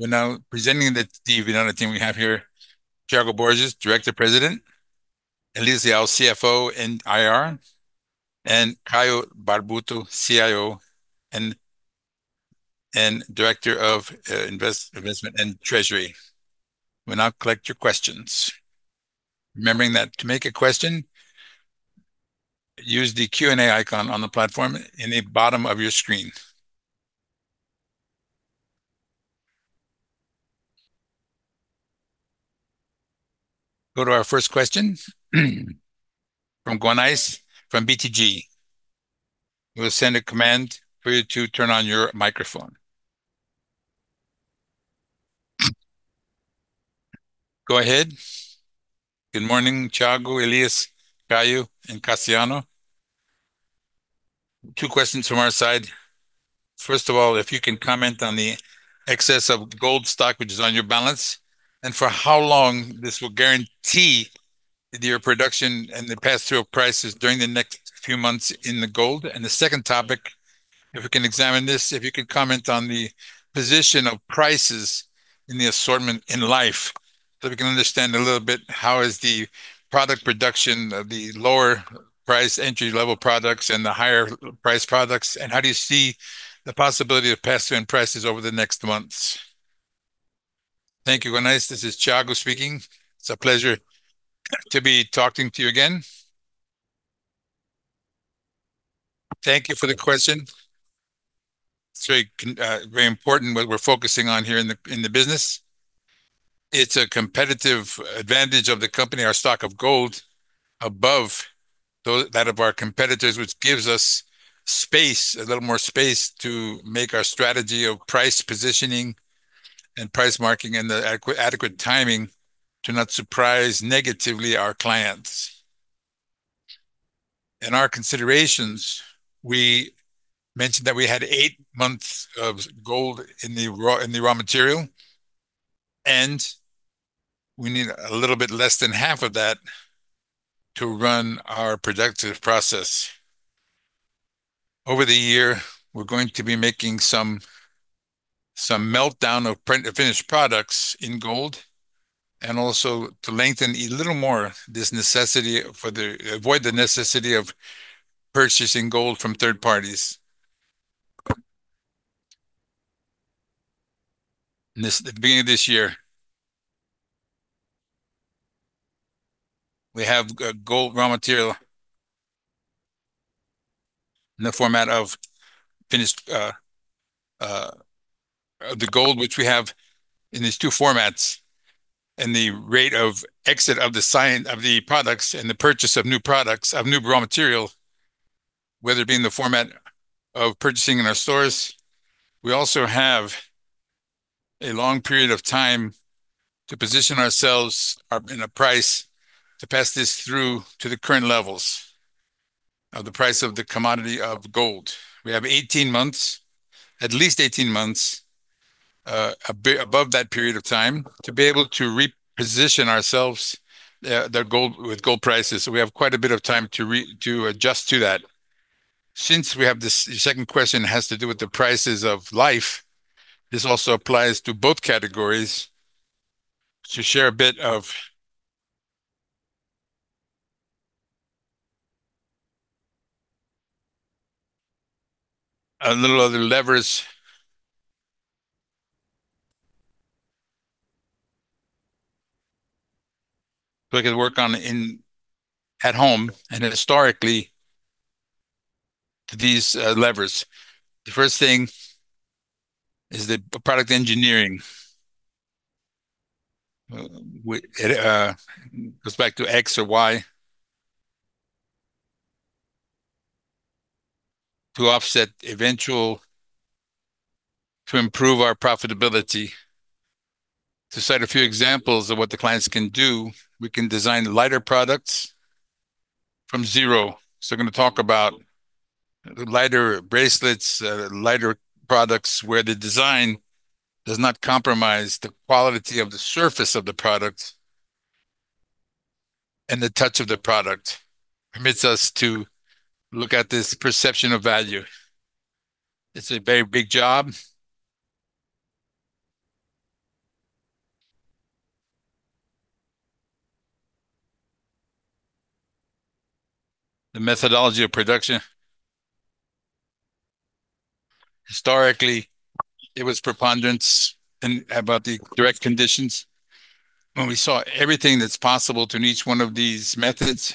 We're now presenting the team. Thiago Borges, Director President. Elias Leal, CFO and IR. And Caio Barbuto, IR and Director of Investment and Treasury. We'll now collect your questions. Remembering that to make a question, use the Q&A icon on the platform in the bottom of your screen. Go to our first question from Guanais from BTG. We'll send a command for you to turn on your microphone. Go ahead. Good morning, Thiago, Elias, Caio, and Cassiano. Two questions from our side. First of all, if you can comment on the excess of gold stock which is on your balance, and for how long this will guarantee your production and the pass-through prices during the next few months in the gold. The second topic, if we can examine this, if you could comment on the position of prices in the assortment in Life, so we can understand a little bit how is the product production of the lower price entry-level products and the higher price products, and how do you see the possibility of pass-through in prices over the next months. Thank you, Guanais. This is Thiago Borges speaking. It's a pleasure to be talking to you again. Thank you for the question. It's very important what we're focusing on here in the, in the business. It's a competitive advantage of the company, our stock of gold above that of our competitors, which gives us space, a little more space to make our strategy of price positioning and price marking and the adequate timing to not surprise negatively our clients. In our considerations, we mentioned that we had eight months of gold in the raw, in the raw material, and we need a little bit less than half of that to run our productive process. Over the year, we're going to be making some meltdown of finished products in gold, and also to lengthen a little more this necessity to avoid the necessity of purchasing gold from third parties. In the beginning of this year, we have gold raw material in the format of finished. The gold which we have in these two formats and the rate of exit of the sales of the products and the purchase of new products, of new raw material, whether it be in the format of purchasing in our stores. We also have a long period of time to position ourselves in a price to pass this through to the current levels of the price of the commodity of gold. We have 18 months, at least 18 months, above that period of time to be able to reposition ourselves with gold prices. We have quite a bit of time to adjust to that. The second question has to do with the prices of Life, this also applies to both categories. To share a bit of a little of the levers we can work on at home and historically to these levers. The first thing is the product engineering. It goes back to X or Y to offset to improve our profitability. To cite a few examples of what the clients can do, we can design lighter products from zero. We're gonna talk about lighter bracelets, lighter products where the design does not compromise the quality of the surface of the product, and the touch of the product permits us to look at this perception of value. It's a very big job. The methodology of production. Historically, it was preponderance and about the direct conditions. When we saw everything that's possible to in each one of these methods,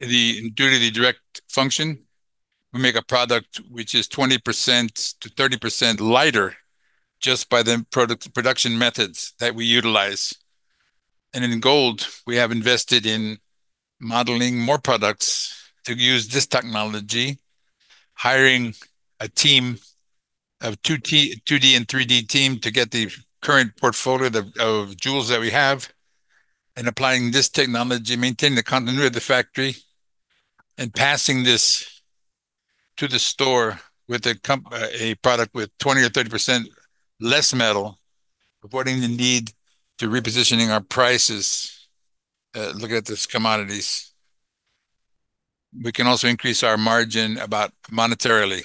due to the direct function, we make a product which is 20%-30% lighter just by the product production methods that we utilize. In gold, we have invested in modeling more products to use this technology, hiring a team of 2D and 3D team to get the current portfolio of jewels that we have, and applying this technology, maintaining the continuity of the factory, and passing this to the store with a product with 20% or 30% less metal, avoiding the need to repositioning our prices, looking at these commodities. We can also increase our margin about monetarily.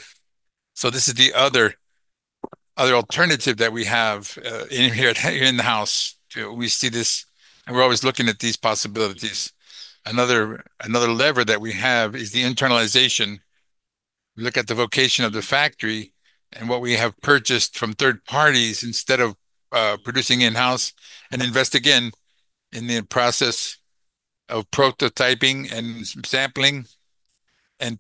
This is the other alternative that we have in-house. We see this, and we're always looking at these possibilities. Another lever that we have is the internalization. We look at the vocation of the factory and what we have purchased from third parties instead of producing in-house, and invest again in the process of prototyping and sampling and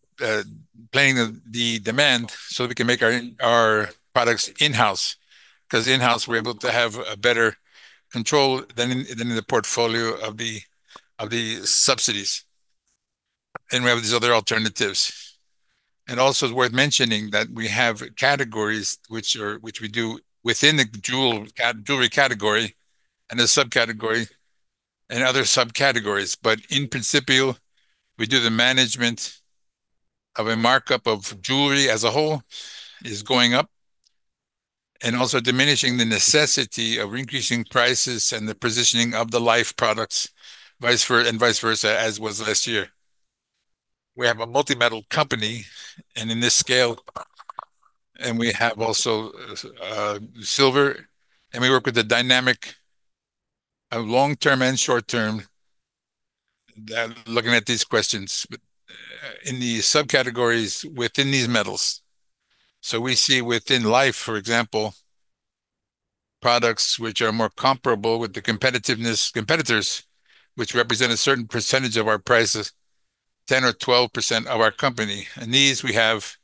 planning the demand so that we can make our products in-house. 'Cause in-house we're able to have a better control than in the portfolio of the subsidies. We have these other alternatives. Also it's worth mentioning that we have categories which we do within the jewelry category and the subcategory and other subcategories. In principle, we do the management of a markup of jewelry as a whole is going up, and also diminishing the necessity of increasing prices and the positioning of the Life products, and vice versa as was last year. We have a multi-metal company, and in this scale. We have also silver, and we work with the dynamic of long-term and short-term, looking at these questions. In the subcategories within these metals. We see within Life, for example, products which are more comparable with the competitors, which represent a certain percentage of our prices, 10% or 12% of our company. These we have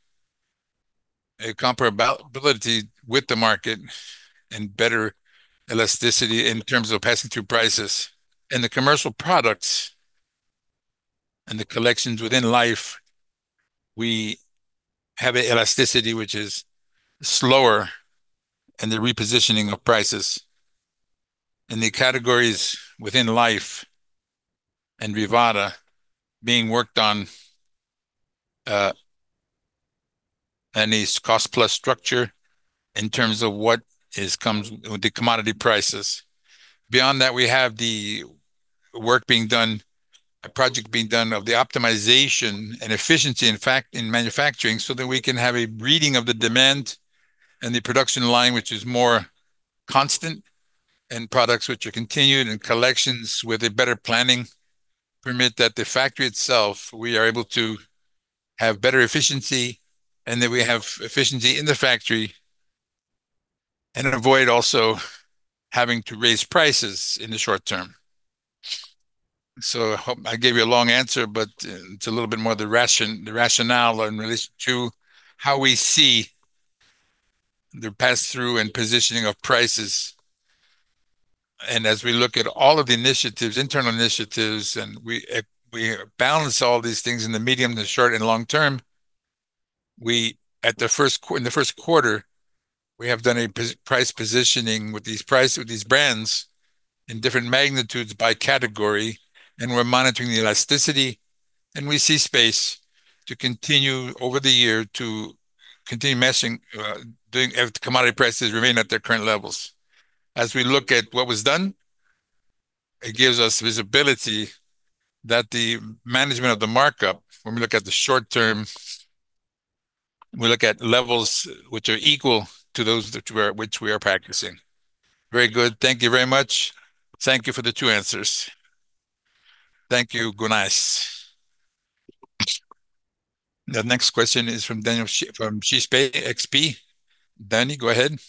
a comparability with the market and better elasticity in terms of passing through prices. In the commercial products and the collections within Life, we have a elasticity which is slower in the repositioning of prices. In the categories within Life and Vivara being worked on, and is cost plus structure in terms of what comes with the commodity prices. Beyond that, we have the work being done, a project being done of the optimization and efficiency in manufacturing so that we can have a reading of the demand and the production line which is more constant, and products which are continued, and collections with a better planning permit that the factory itself, we are able to have better efficiency, and that we have efficiency in the factory, and avoid also having to raise prices in the short term. I gave you a long answer, but, it's a little bit more the rationale in relation to how we see the pass-through and positioning of prices. As we look at all of the initiatives, internal initiatives, and we balance all these things in the medium, the short, and long term. In the first quarter, we have done a price positioning with these brands in different magnitudes by category, and we're monitoring the elasticity, and we see space to continue raising over the year if the commodity prices remain at their current levels. As we look at what was done, it gives us visibility that the management of the markup, when we look at the short term, we look at levels which are equal to those which we are practicing. Very good. Thank you very much. Thank you for the two answers. Thank you, Guanais. The next question is from Danniela from XP. Danniela, go ahead.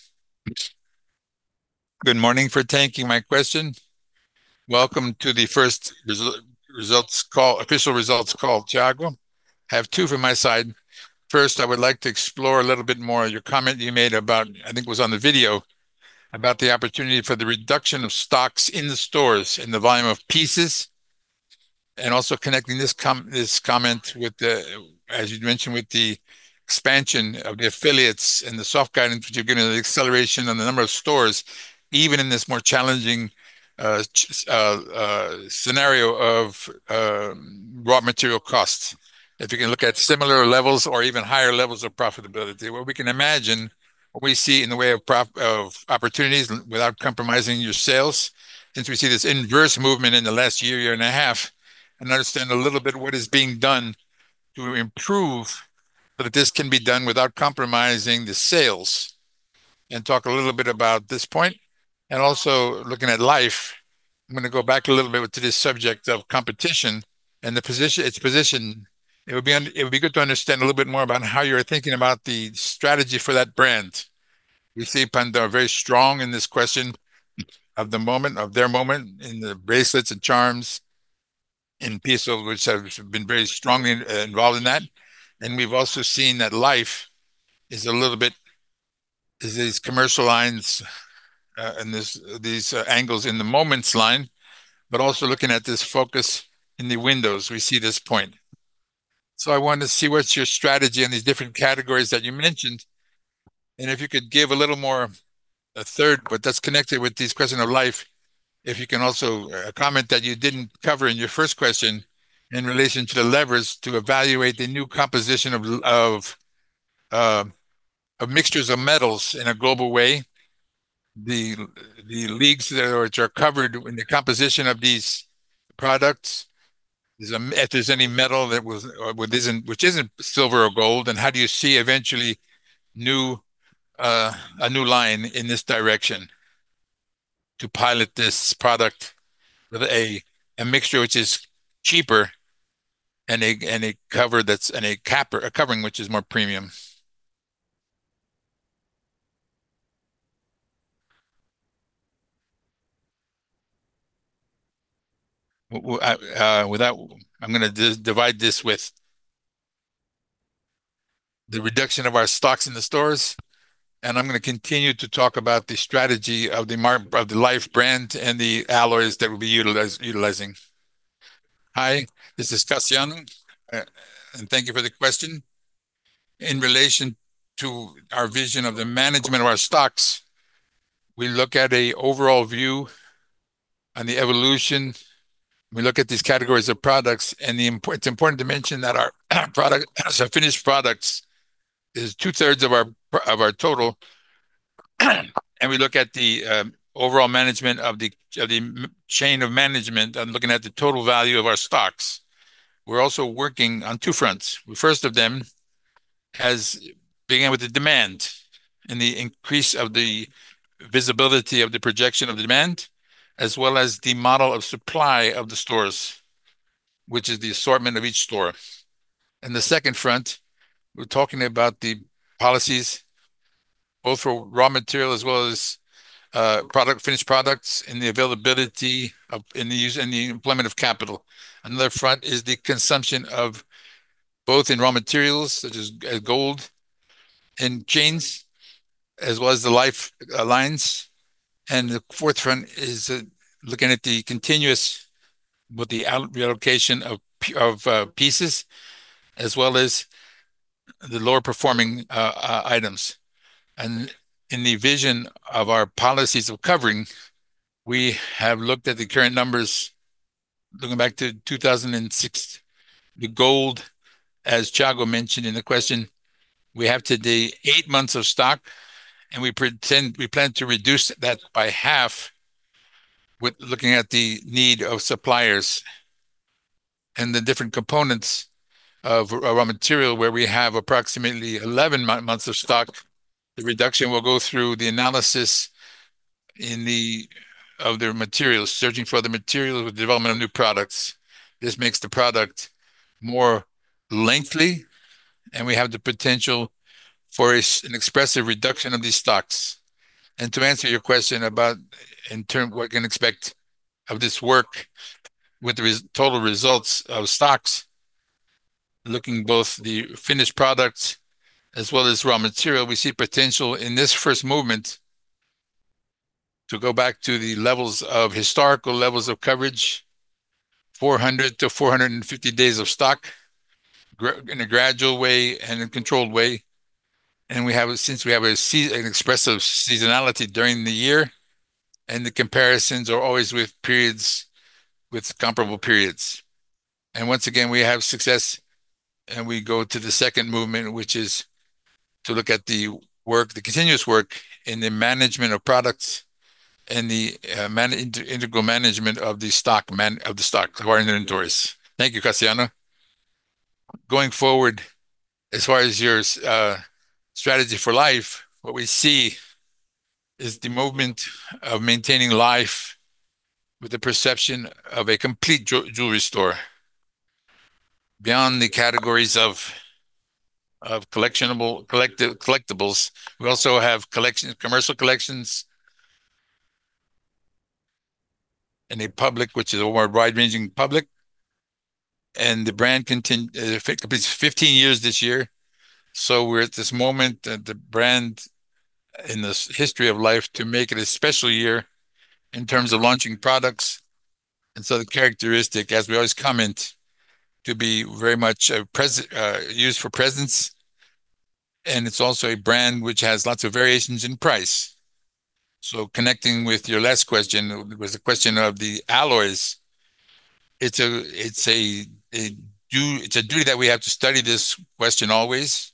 Good morning, thank you for taking my question. Welcome to the first official results call, Thiago Borges. I have two from my side. First, I would like to explore a little bit more your comment you made about, I think it was on the video, about the opportunity for the reduction of stocks in the stores and the volume of pieces. Also connecting this comment with the, as you'd mentioned, with the expansion of the affiliates and the soft guidance which you're giving, and the acceleration on the number of stores, even in this more challenging scenario of raw material costs. If you can look at similar levels or even higher levels of profitability. What we can imagine, what we see in the way of opportunities without compromising your sales since we see this inverse movement in the last year and a half, and understand a little bit what is being done to improve that this can be done without compromising the sales. Talk a little bit about this point. Also looking at Life, I'm gonna go back a little bit to this subject of competition and its position. It would be good to understand a little bit more about how you're thinking about the strategy for that brand. We see Pandora very strong in this question of the Moments, of their Moments in the bracelets and charms in pieces which have been very strongly involved in that. We've also seen that Life is a little bit These commercial lines, and this, these angles in the Moments line, but also looking at this focus in the windows, we see this point. I want to see what's your strategy in these different categories that you mentioned. If you could give a little more, a third, but that's connected with this question of Life. If you can also, comment that you didn't cover in your first question in relation to the levers to evaluate the new composition of mixtures of metals in a global way. The alloys which are covered in the composition of these products, is there any metal that isn't silver or gold, and how do you see eventually a new line in this direction to pilot this product with a mixture which is cheaper and a covering which is more premium. With that, I'm gonna dive into this with the reduction of our stocks in the stores, and I'm gonna continue to talk about the strategy of the Life brand and the alloys that we'll be utilizing. Hi, this is Cassiano, and thank you for the question. In relation to our vision of the management of our stocks, we look at an overall view on the evolution. We look at these categories of products, and it's important to mention that our product, so finished products, is two-thirds of our total. We look at the overall supply chain management and looking at the total value of our stocks. We're also working on two fronts. The first of them has began with the demand and the increase of the visibility of the projection of the demand, as well as the model of supply of the stores, which is the assortment of each store. The second front, we're talking about the policies both for raw material as well as product, finished products and the availability of, and the use, and the employment of capital. Another front is the consumption of both in raw materials such as gold and chains, as well as the Life lines. The fourth front is looking at the continuous with the reallocation of pieces, as well as the lower performing items. In the version of our policies covering, we have looked at the current numbers looking back to 2006. The gold, as Thiago mentioned in the question, we have today eight months of stock, and we plan to reduce that by half with looking at the need of suppliers and the different components of raw material where we have approximately 11 months of stock. The reduction will go through the analysis of the materials, searching for the materials with development of new products. This makes the product more lengthy, and we have the potential for an expressive reduction of these stocks. To answer your question about, in terms, what you can expect of this work with respect to total results of stocks, looking at both the finished products as well as raw material, we see potential in this first movement to go back to the levels of historical levels of coverage, 400 to 450 days of stock, in a gradual way and in controlled way. We have, since we have an expressive seasonality during the year, and the comparisons are always with periods, with comparable periods. Once again, we have success, and we go to the second movement, which is to look at the work, the continuous work in the management of products and the integral management of the stock of our inventories. Thank you, Cassiano. Going forward, as far as your strategy for Life, what we see is the movement of maintaining Life with the perception of a complete jewelry store. Beyond the categories of collectibles, we also have collections, commercial collections and a public which is a more wide-ranging public. The brand it completes 15 years this year, so we're at this moment that the brand in this history of Life to make it a special year in terms of launching products. The characteristic, as we always comment, to be very much a presence used for presence, and it's also a brand which has lots of variations in price. Connecting with your last question, it was a question of the alloys. It's a duty that we have to study this question always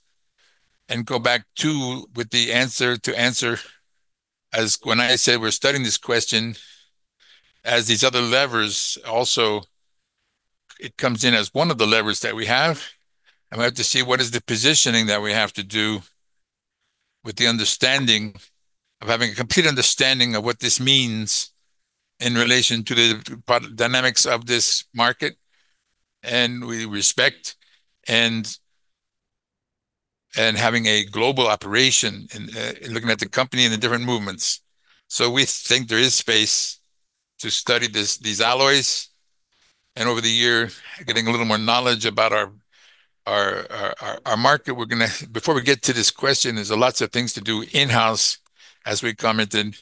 and go back to with the answer as when I say we're studying this question, as these other levers also, it comes in as one of the levers that we have. And we have to see what is the positioning that we have to do with the understanding of having a complete understanding of what this means in relation to the dynamics of this market and with respect, and having a global operation and looking at the company in the different movements. We think there is space to study this, these alloys, and over the year, getting a little more knowledge about our market. Before we get to this question, there are lots of things to do in-house as we commented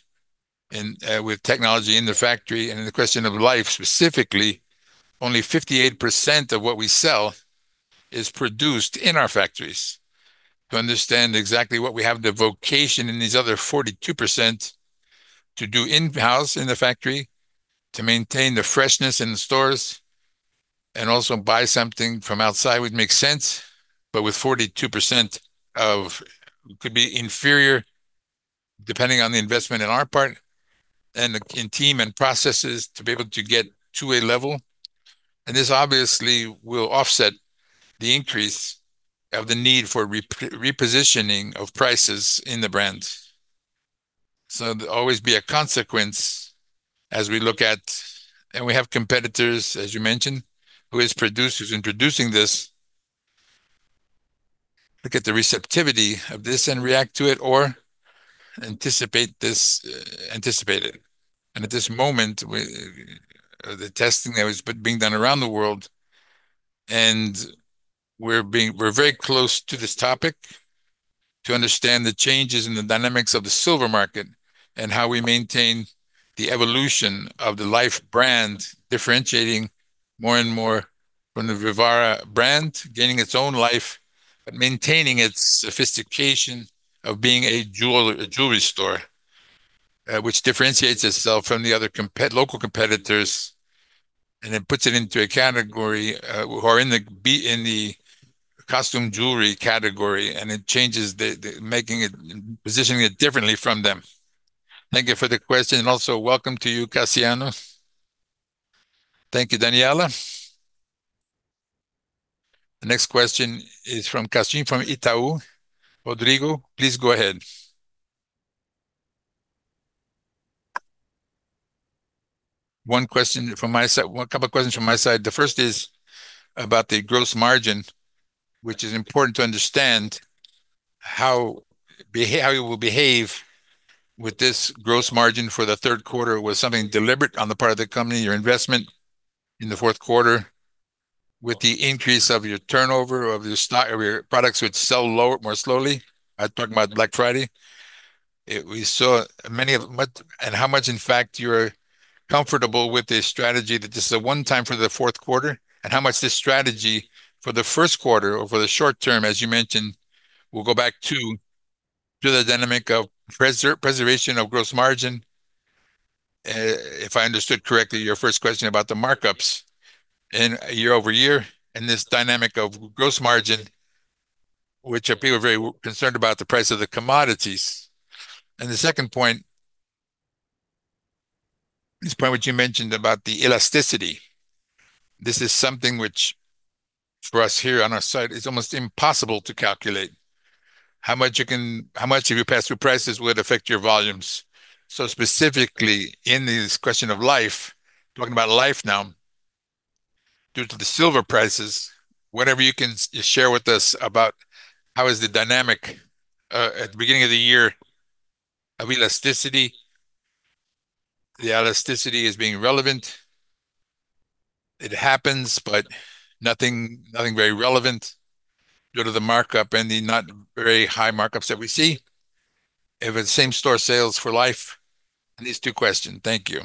in with technology in the factory. In the question of Life specifically, only 58% of what we sell is produced in our factories. To understand exactly what we have, the vocation in these other 42% to do in-house in the factory, to maintain the freshness in the stores. Also buy something from outside would make sense, but with 42% of could be inferior depending on the investment in our part and in team and processes to be able to get to a level. This obviously will offset the increase of the need for repositioning of prices in the brands. There'll always be a consequence as we look at. We have competitors, as you mentioned, who's introducing this. Look at the receptivity of this and react to it or anticipate it. At this moment with the testing that was being done around the world and we're very close to this topic to understand the changes in the dynamics of the silver market and how we maintain the evolution of the Life brand. Differentiating more and more from the Vivara brand, gaining its own life, but maintaining its sophistication of being a jewelry store, which differentiates itself from the other local competitors, and it puts it into a category, or in the costume jewelry category, and it changes positioning it differently from them. Thank you for the question, and also welcome to you, Cassiano. Thank you, Daniela. The next question is from Rodrigo Casimiro from Itaú. Rodrigo, please go ahead. One question from my side, well, a couple of questions from my side. The first is about the gross margin, which is important to understand how it will behave with this gross margin for the third quarter. Was something deliberate on the part of the company, your investment in the fourth quarter with the increase of your turnover of your products which sell more slowly. I'm talking about Black Friday. We saw many of. How much, in fact, you're comfortable with the strategy that this is a one-time for the fourth quarter, and how much this strategy for the first quarter or for the short term, as you mentioned, will go back to the dynamic of preservation of gross margin, if I understood correctly your first question about the markups in year-over-year and this dynamic of gross margin, which people are very concerned about the price of the commodities. The second point is the point which you mentioned about the elasticity. This is something which for us here on our side is almost impossible to calculate. How much, if you pass through prices, would affect your volumes. Specifically in this question of Life, talking about Life now, due to the silver prices, whatever you can share with us about how is the dynamic at the beginning of the year of elasticity. The elasticity is being relevant. It happens, but nothing very relevant due to the markup and the not very high markups that we see in same store sales for Life. These two questions. Thank you.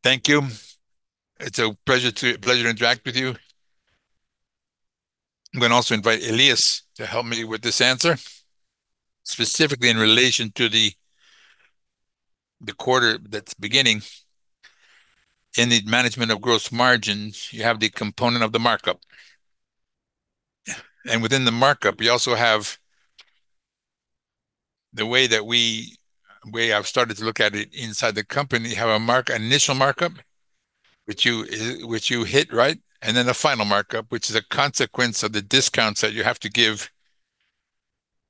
Thank you. It's a pleasure to interact with you. I'm gonna also invite Elias Leal to help me with this answer. Specifically in relation to the quarter that's beginning. In the management of gross margins, you have the component of the markup. Within the markup, you also have the way I've started to look at it inside the company, you have an initial markup which you hit, right? Then a final markup, which is a consequence of the discounts that you have to give,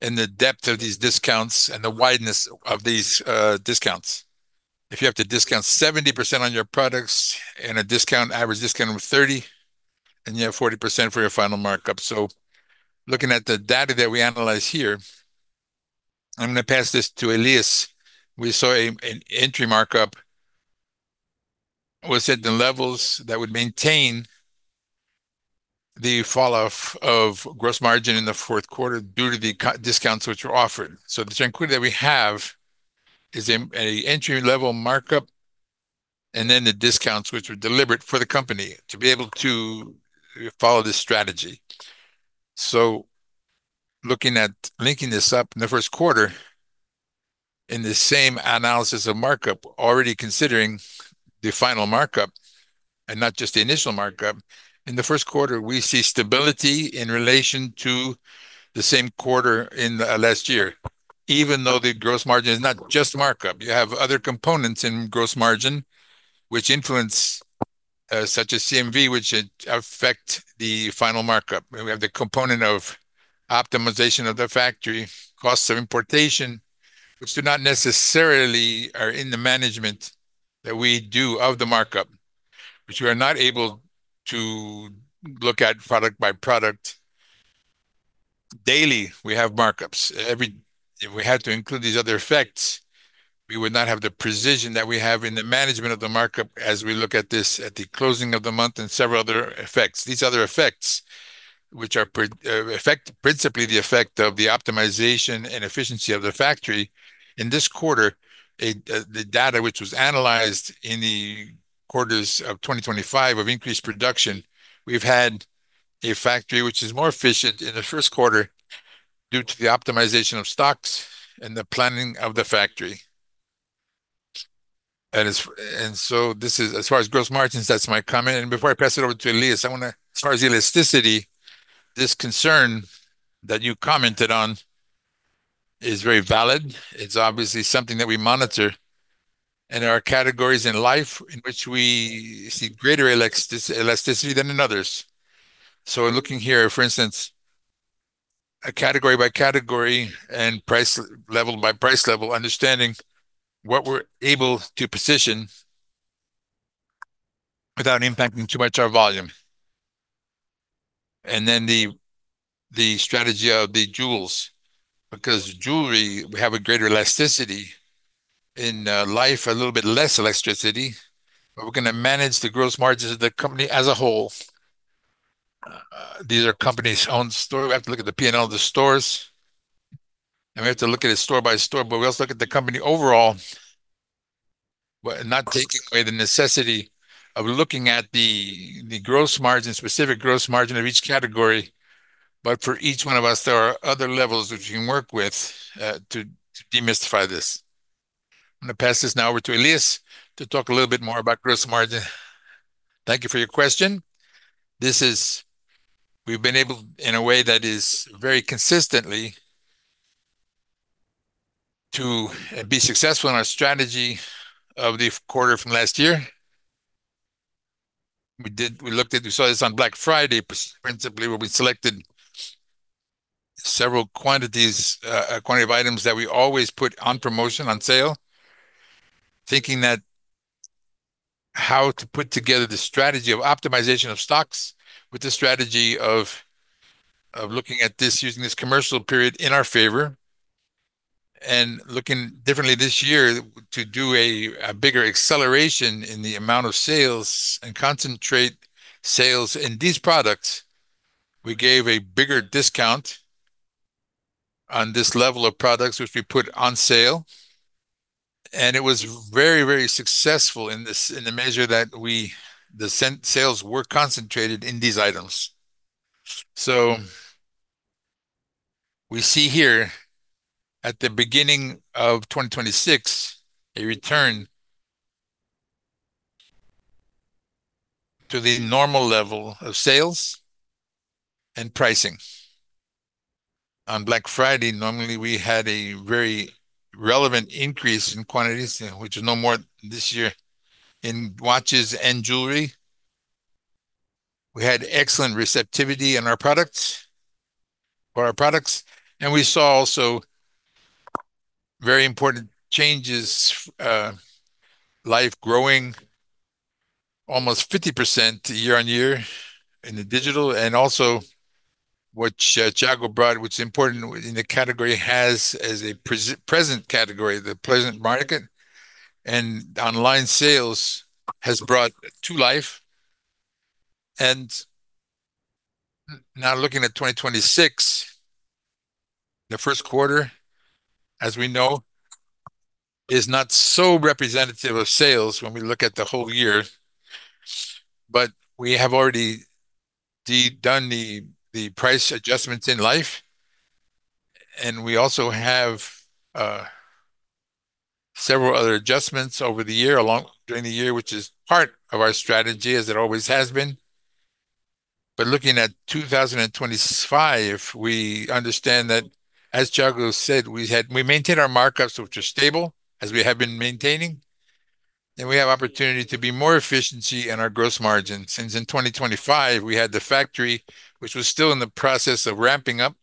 and the depth of these discounts and the wideness of these discounts. If you have to discount 70% on your products and an average discount of 30%, and you have 40% for your final markup. Looking at the data that we analyze here, I'm gonna pass this to Elias. We saw an entry markup was at the levels that would maintain the falloff of gross margin in the fourth quarter due to the discounts which were offered. The tranquility that we have is entry-level markup and then the discounts which were deliberate for the company to be able to follow this strategy. Looking at linking this up in the first quarter in the same analysis of markup, already considering the final markup and not just the initial markup, in the first quarter, we see stability in relation to the same quarter in last year, even though the gross margin is not just markup. You have other components in gross margin which influence, such as CMV, which affect the final markup. We have the component of optimization of the factory, costs of importation, which do not necessarily are in the management that we do of the markup, which we are not able to look at product by product. Daily, we have markups. If we had to include these other effects, we would not have the precision that we have in the management of the markup as we look at this at the closing of the month and several other effects. These other effects, which are principally the effect of the optimization and efficiency of the factory. In this quarter, the data which was analyzed in the quarters of 2025 of increased production. We've had a factory which is more efficient in the first quarter due to the optimization of stocks and the planning of the factory. As far as gross margins, that's my comment. Before I pass it over to Elias, I wanna as far as elasticity, this concern that you commented on is very valid. It's obviously something that we monitor, and there are categories in Life in which we see greater elasticity than in others. In looking here, for instance, a category by category and price level by price level, understanding what we're able to position without impacting too much our volume. The strategy of the jewelry, because jewelry, we have a greater elasticity. In Life, a little bit less elasticity. We're gonna manage the gross margins of the company as a whole. These are company-owned stores. We have to look at the P&L of the stores, and we have to look at it store by store, but we also look at the company overall. Not taking away the necessity of looking at the gross margin, specific gross margin of each category. For each one of us, there are other levels which we can work with to demystify this. I'm gonna pass this now over to Elias to talk a little bit more about gross margin. Thank you for your question. This is. We've been able, in a way that is very consistently, to be successful in our strategy of the fourth quarter from last year. We looked at. We saw this on Black Friday, principally, where we selected several quantities of items that we always put on promotion, on sale. Thinking that how to put together the strategy of optimization of stocks with the strategy of looking at this, using this commercial period in our favor. Looking differently this year to do a bigger acceleration in the amount of sales and concentrate sales in these products. We gave a bigger discount on this level of products, which we put on sale, and it was very, very successful in this, in the measure that sales were concentrated in these items. We see here at the beginning of 2026 a return to the normal level of sales and pricing. On Black Friday, normally, we had a very relevant increase in quantities, you know, which is no more this year in watches and jewelry. We had excellent receptivity for our products, and we saw also very important changes, Life growing almost 50% year-on-year in the digital. Also what Thiago brought, what's important in the category has as a present category, the presence market and online sales has brought to Life. Now looking at 2026, the first quarter, as we know, is not so representative of sales when we look at the whole year. We have already done the price adjustments in Life, and we also have several other adjustments over the year, during the year, which is part of our strategy as it always has been. Looking at 2025, we understand that, as Thiago said, we maintained our markups, which are stable. As we have been maintaining. We have opportunity to be more efficiency in our gross margin since in 2025 we had the factory which was still in the process of ramping up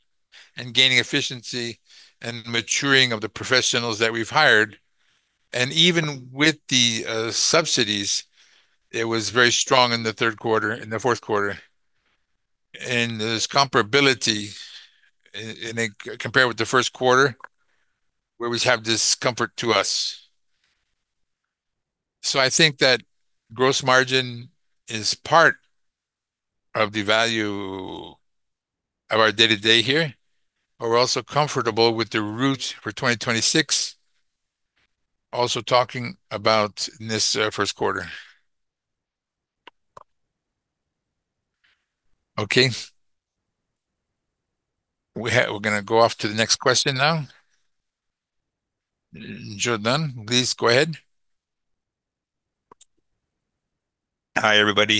and gaining efficiency and maturing of the professionals that we've hired. Even with the subsidies, it was very strong in the third quarter and the fourth quarter. This comparability compared with the first quarter, where we have this comfort to us. I think that gross margin is part of the value of our day-to-day here, but we're also comfortable with the route for 2026, also talking about in t his first quarter. Okay. We're gonna go on to the next question now. Giordano, please go ahead. Hi, everybody.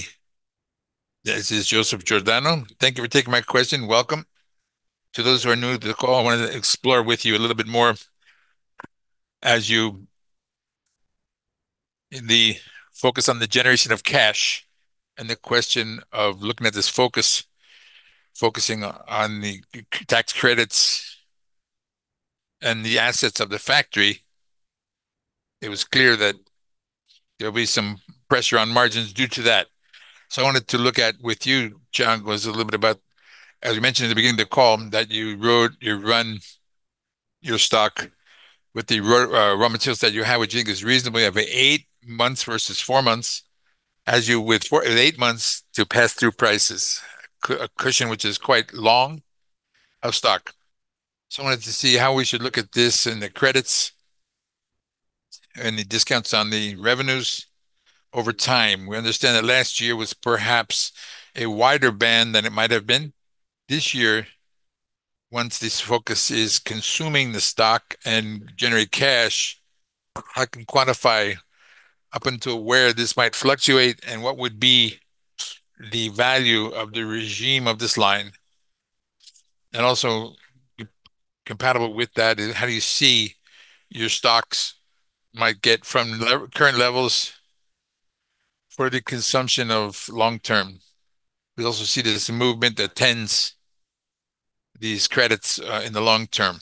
This is Joseph Giordano. Thank you for taking my question. Welcome. To those who are new to the call, I wanted to explore with you a little bit more. In the focus on the generation of cash and the question of looking at this focus, focusing on the tax credits and the assets of the factory, it was clear that there'll be some pressure on margins due to that. I wanted to look at with you, Thiago, a little bit about, as you mentioned at the beginning of the call, that you run your stock with the raw materials that you have with Ginga's reasonably over eight months versus four months with eight months to pass through prices. A cushion which is quite long of stock. I wanted to see how we should look at this and the credits and the discounts on the revenues over time. We understand that last year was perhaps a wider band than it might have been. This year, once this focus is consuming the stock and generate cash, I can quantify up until where this might fluctuate and what would be the value of the regime of this line. Compatible with that is how do you see your stock's multiple from current levels in the long term. We also see there's a movement that extends these credits in the long term.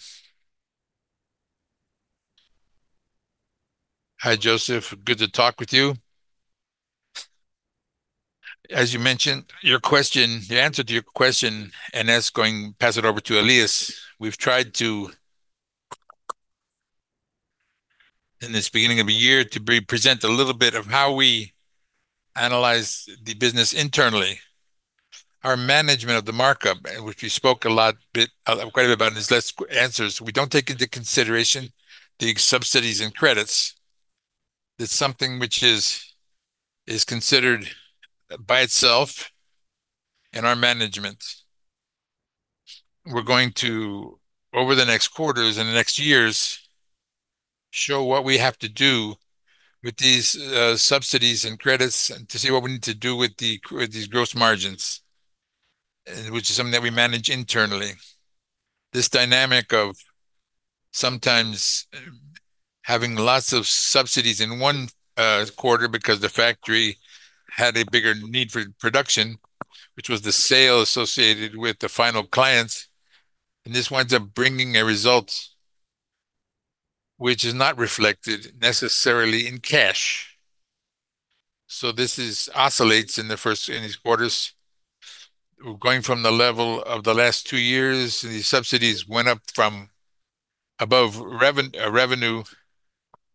Hi, Joseph. Good to talk with you. As you mentioned, the answer to your question, and that's going to pass it over to Elias, we've tried to, in this beginning of a year, to represent a little bit of how we analyze the business internally. Our management of the markup, which we spoke a lot, quite a bit about in these last answers, we don't take into consideration the subsidies and credits. That's something which is considered by itself in our management. We're going to, over the next quarters and the next years, show what we have to do with these subsidies and credits and to see what we need to do with these gross margins, which is something that we manage internally. This dynamic of sometimes having lots of subsidies in one quarter because the factory had a bigger need for production. Which was the sale associated with the final clients, and this winds up bringing a result which is not reflected necessarily in cash. This oscillates in these quarters. Going from the level of the last two years, the subsidies went up from above 7%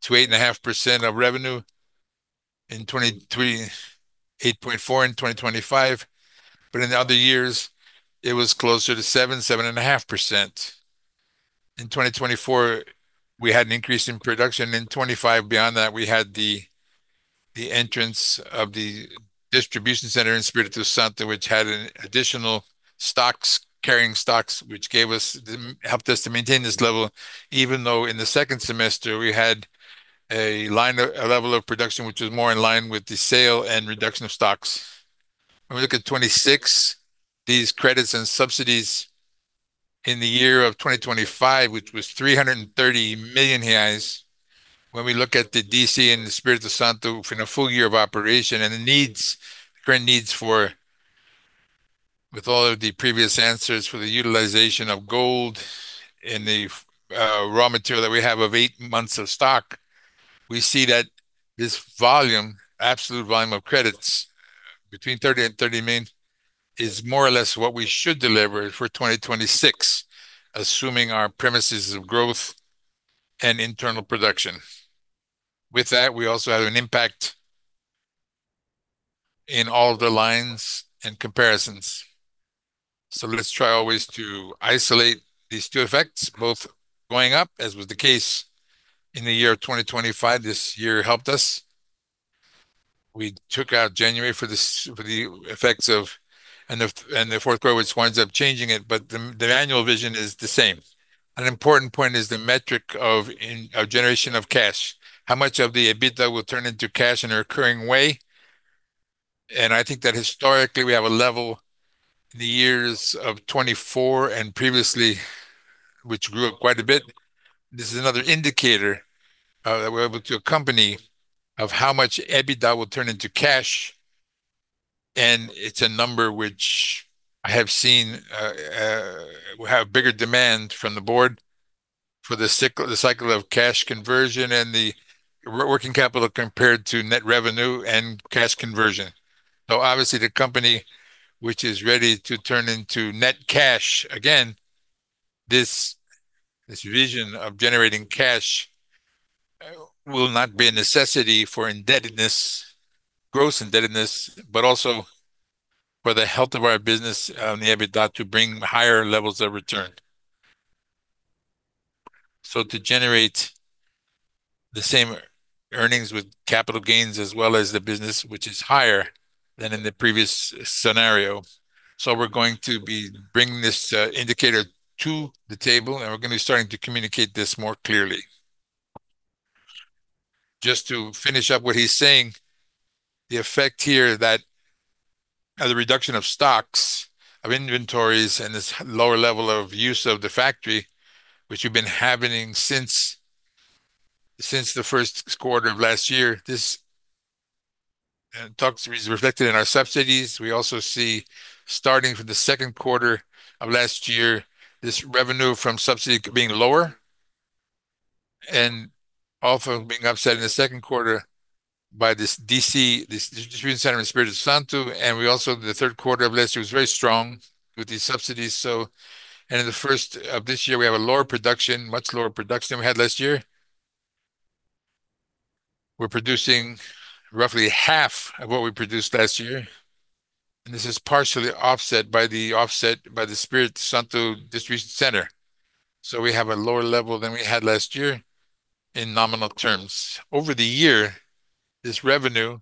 to 8.5% of revenue in 2023. 8.4% in 2025, but in the other years, it was closer to 7-7.5%. In 2024, we had an increase in production. In 2025, beyond that, we had the entrance of the distribution center in Espírito Santo, which had additional stocks, carrying stocks, which gave us helped us to maintain this level, even though in the second semester, we had a level of production which was more in line with the sale and reduction of stocks. When we look at 2026, these credits and subsidies in the year of 2025, which was 330 million reais, when we look at the DC in the Espírito Santo in a full year of operation and the needs, the current needs for, with all of the previous answers, for the utilization of gold and the raw material that we have of eight months of stock. We see that this volume, absolute volume of credits between 30-40 million, is more or less what we should deliver for 2026, assuming our premises of growth and internal production. With that, we also have an impact in all the lines and comparisons. Let's try always to isolate these two effects, both going up, as was the case in the year of 2025. This year helped us. We took out January for the effects of, and the fourth quarter, which winds up changing it, but the annual vision is the same. An important point is the metric of generation of cash. How much of the EBITDA will turn into cash in a recurring way? I think that historically, we have a level in the years of 24% and previously, which grew up quite a bit. This is another indicator that we're able to accompany of how much EBITDA will turn into cash, and it's a number which I have seen will have bigger demand from the board for the cycle of cash conversion and the working capital compared to net revenue and cash conversion. Obviously, the company which is ready to turn into net cash again. This vision of generating cash will not be a necessity for indebtedness, gross indebtedness, but also for the health of our business and the EBITDA to bring higher levels of return. To generate the same earnings with capital gains as well as the business which is higher than in the previous scenario. We're going to be bringing this indicator to the table, and we're gonna be starting to communicate this more clearly. Just to finish up what he's saying, the effect here that the reduction of stocks, of inventories, and this lower level of use of the factory, which we've been having since the first quarter of last year, this is reflected in our subsidies. We also see, starting from the second quarter of last year, this revenue from subsidy being lower and also being offset in the second quarter by this DC, this distribution center in Espírito Santo. The third quarter of last year was very strong with these subsidies. In the first quarter of this year, we have a lower production, much lower production than we had last year. We're producing roughly half of what we produced last year. This is partially offset by the Espírito Santo distribution center. We have a lower level than we had last year in nominal terms. Over the year, this revenue,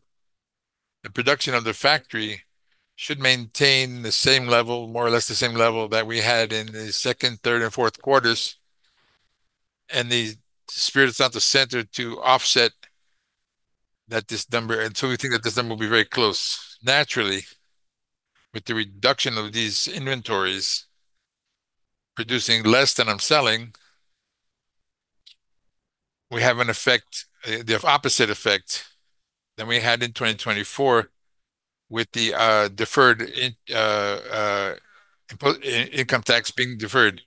the production of the factory should maintain the same level, more or less the same level that we had in the second, third and fourth quarters, and the Espírito Santo center to offset that number. We think that this number will be very close. Naturally, with the reduction of these inventories producing less than I'm selling, we have an effect, the opposite effect than we had in 2024 with the deferred income tax being deferred.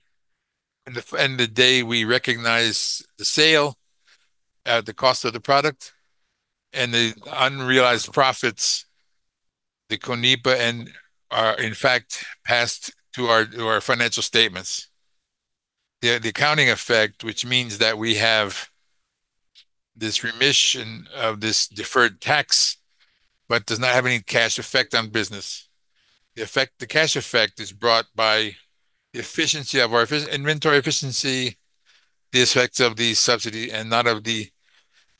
On the day we recognize the sale at the cost of the product and the unrealized profits, the CONIPA and are in fact passed to our financial statements. The accounting effect, which means that we have this remission of this deferred tax, but does not have any cash effect on business. The effect, the cash effect is brought by the efficiency of our inventory efficiency, the effects of the subsidy, and not of the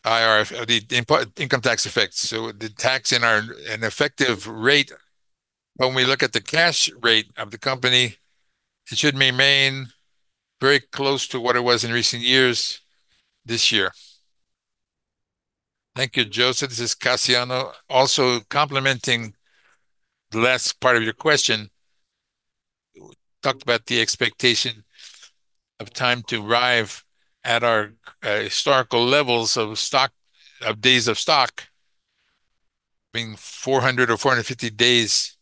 IRPJ, of the import income tax effects. The tax in our. An effective rate when we look at the cash rate of the company, it should remain very close to what it was in recent years this year. Thank you, Joseph. This is Cassiano. Also complementing the last part of your question, we talked about the expectation of time to arrive at our historical levels of stock, of days of stock being 400 or 450 days.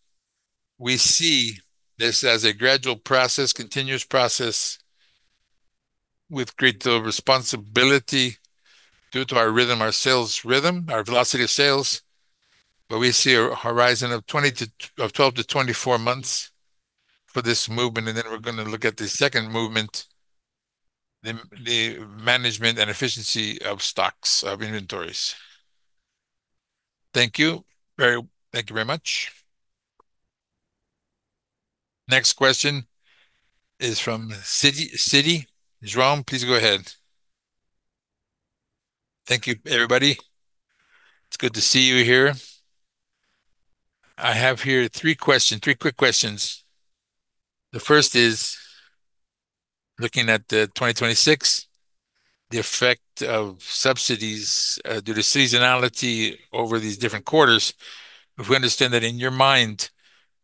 We see this as a gradual process, continuous process with greater responsibility due to our rhythm, our sales rhythm, our velocity of sales. We see a horizon of 12-24 months for this movement, and then we're gonna look at the second movement, the management and efficiency of stocks, of inventories. Thank you. Thank you very much. Next question is from Citi. João, please go ahead. Thank you, everybody. It's good to see you here. I have here three quick questions. The first is looking at the 2026, the effect of subsidies due to seasonality over these different quarters. If we understand that in your mind,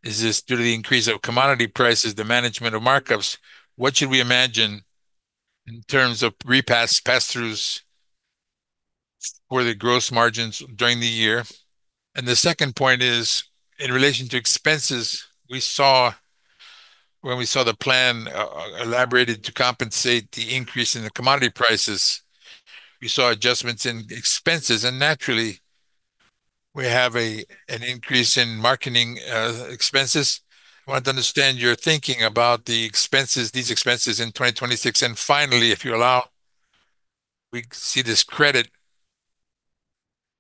is this due to the increase of commodity prices, the management of markups, what should we imagine in terms of repass, pass-throughs for the gross margins during the year? The second point is in relation to expenses. When we saw the plan elaborated to compensate the increase in the commodity prices, we saw adjustments in expenses. We naturally have an increase in marketing expenses. I want to understand your thinking about the expenses, these expenses in 2026. Finally, if you allow, we see this credit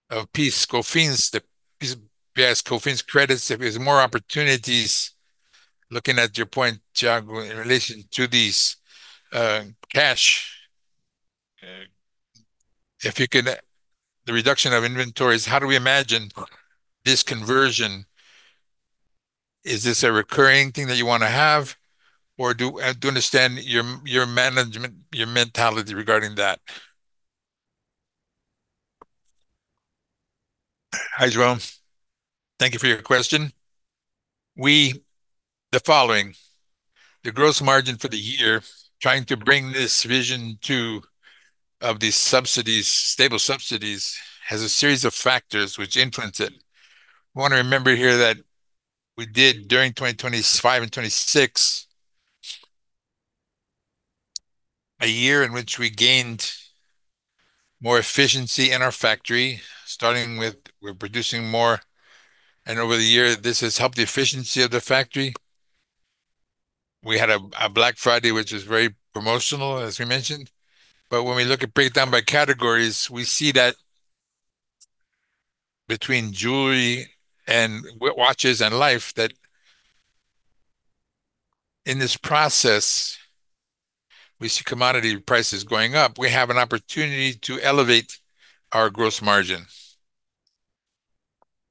of PIS/COFINS, the PIS/COFINS credits, if there's more opportunities looking at your point, Thiago, in relation to these, cash. The reduction of inventories, how do we imagine this conversion? Is this a recurring thing that you wanna have, or do, to understand your management, your mentality regarding that? Hi, João. Thank you for your question. The following, the gross margin for the year trying to bring this vision to, of these subsidies, stable subsidies, has a series of factors which influence it. Wanna remember here that we did during 2025 and 2026, a year in which we gained more efficiency in our factory, starting with we're producing more, and over the year this has helped the efficiency of the factory. We had a Black Friday, which was very promotional, as we mentioned. When we look at breakdown by categories, we see that between jewelry and watches and life, that in this process we see commodity prices going up. We have an opportunity to elevate our gross margin.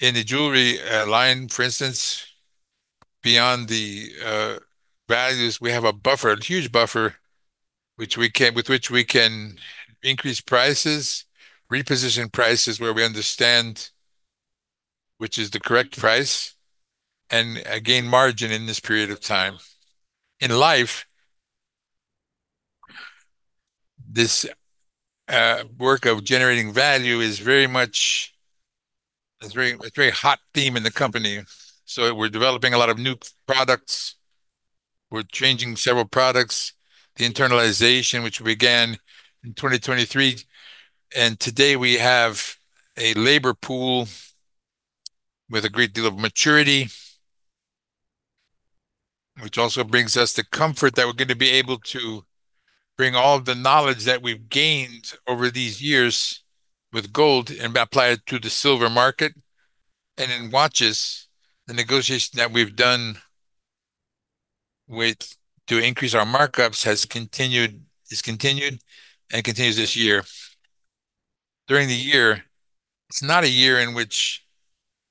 In the jewelry line, for instance, beyond the values, we have a buffer, a huge buffer which we can increase prices, reposition prices where we understand which is the correct price, and gain margin in this period of time. In life, this work of generating value is very much a very hot theme in the company. We're developing a lot of new products. We're changing several products. The internalization, which began in 2023, and today we have a labor pool with a great deal of maturity. Which also brings us the comfort that we're gonna be able to bring all the knowledge that we've gained over these years with gold and apply it to the silver market. In watches, the negotiation that we've done to increase our markups has continued and continues this year. During the year, it's not a year in which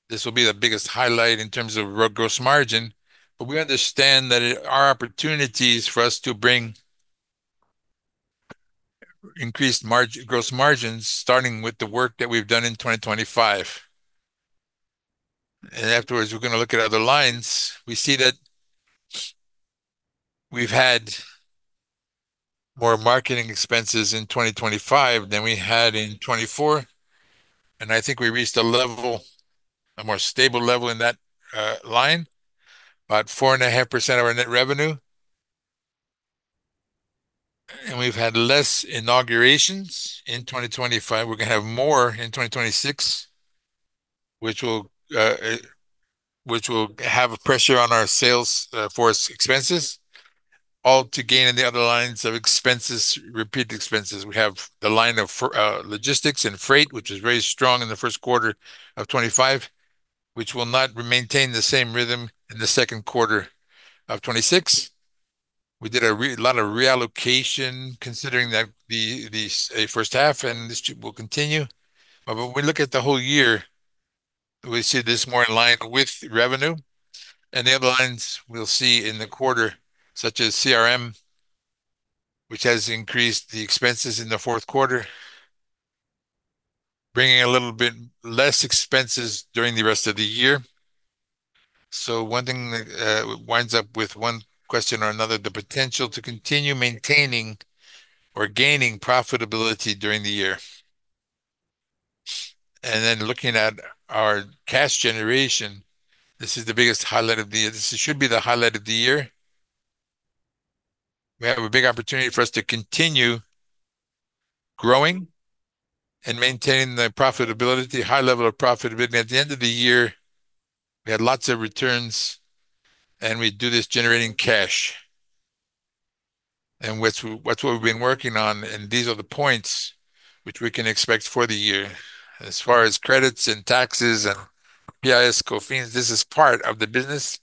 this will be the biggest highlight in terms of gross margin, but we understand that there are opportunities for us to bring increased gross margins, starting with the work that we've done in 2025. Afterwards, we're gonna look at other lines. We see that we've had more marketing expenses in 2025 than we had in 2024, and I think we reached a level, a more stable level in that line, about 4.5% of our net revenue. We've had less inaugurations in 2025. We're gonna have more in 2026 which will have a pressure on our sales force expenses, all to gain in the other lines of expenses, repeat expenses. We have the line of logistics and freight, which is very strong in the first quarter of 2025, which will not remain the same rhythm in the second quarter of 2026. We did a lot of reallocation considering that the first half and this too will continue. When we look at the whole year, we see this more in line with revenue. The other lines we'll see in the quarter, such as CRM, which has increased the expenses in the fourth quarter, bringing a little bit less expenses during the rest of the year. One thing winds up with one question or another, the potential to continue maintaining or gaining profitability during the year. Looking at our cash generation, this is the biggest highlight of the year. This should be the highlight of the year. We have a big opportunity for us to continue growing and maintaining the profitability, high level of profitability. At the end of the year, we had lots of returns, and we do this generating cash. That's what we've been working on, and these are the points which we can expect for the year. As far as credits and taxes and PIS/COFINS, this is part of the business,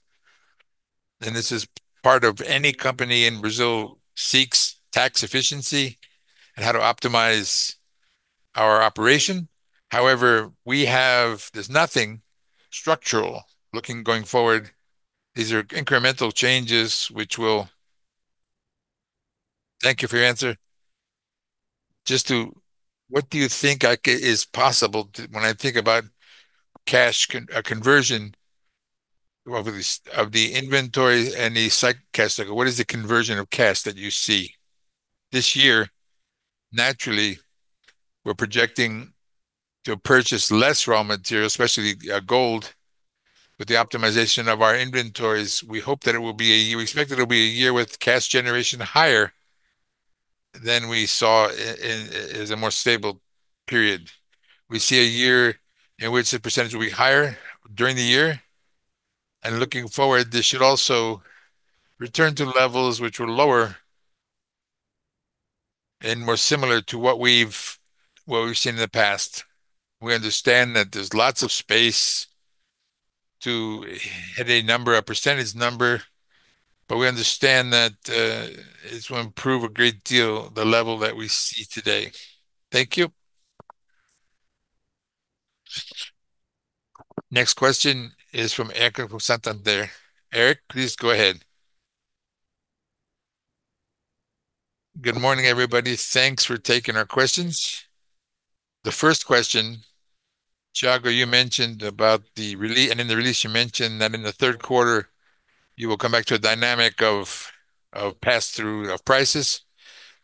and this is part of any company in Brazil seeks tax efficiency and how to optimize our operation. However, we have. There's nothing structural looking going forward. These are incremental changes. Thank you for your answer. What do you think is possible when I think about cash conversion of the inventory and the cash cash cycle, what is the conversion of cash that you see? This year, naturally, we're projecting to purchase less raw material, especially gold. With the optimization of our inventories, we hope that it will be a year. We expect it will be a year with cash generation higher than we saw in as a more stable period. We see a year in which the percentage will be higher during the year. Looking forward, this should also return to levels which were lower and more similar to what we've seen in the past. We understand that there's lots of space to hit a number, a percentage number, but we understand that it's gonna improve a great deal the level that we see today. Thank you. Next question is from Eric from Santander. Eric, please go ahead. Good morning, everybody. Thanks for taking our questions. The first question, Thiago, you mentioned about the release and in the release you mentioned that in the third quarter, you will come back to a dynamic of pass-through of prices.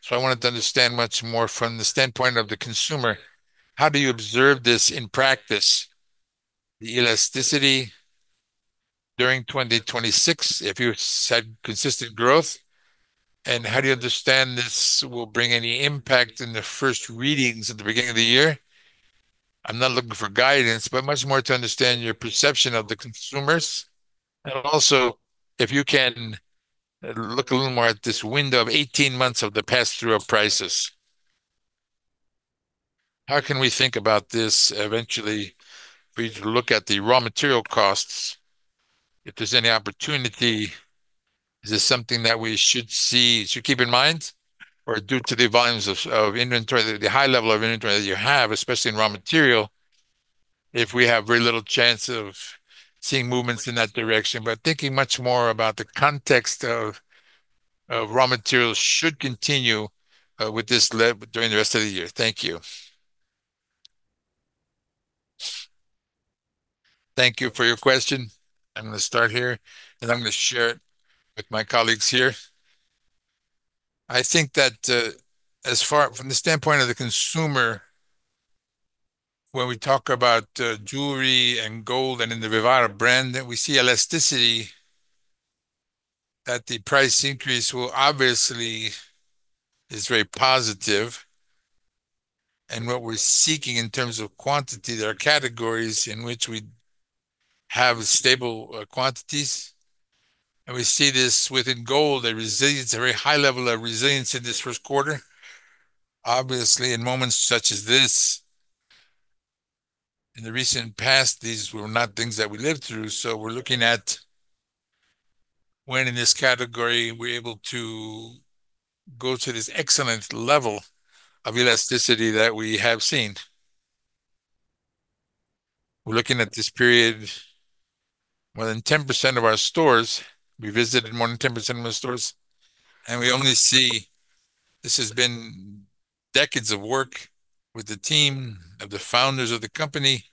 I wanted to understand much more from the standpoint of the consumer, how do you observe this in practice, the elasticity during 2026, if you had consistent growth? How do you understand this will bring any impact in the first readings at the beginning of the year? I'm not looking for guidance, but much more to understand your perception of the consumers. Also if you can look a little more at this window of 18 months of the pass-through of prices. How can we think about this eventually for you to look at the raw material costs, if there's any opportunity, is this something that we should see, should keep in mind? Or due to the volumes of inventory, the high level of inventory that you have, especially in raw material, if we have very little chance of seeing movements in that direction. Thinking much more about the context of raw materials should continue with this level during the rest of the year. Thank you. Thank you for your question. I'm gonna start here, and I'm gonna share it with my colleagues here. I think that from the standpoint of the consumer, when we talk about jewelry and gold and in the Vivara brand, that we see elasticity at the price increase will obviously be very positive. What we're seeking in terms of quantity, there are categories in which we have stable quantities, and we see this within gold, a resilience, a very high level of resilience in this first quarter. Obviously, in moments such as this, in the recent past, these were not things that we lived through, so we're looking at when in this category we're able to go to this excellent level of elasticity that we have seen. We're looking at this period, more than 10% of our stores, we visited more than 10% of our stores, and we only see this has been decades of work with the team of the founders of the company.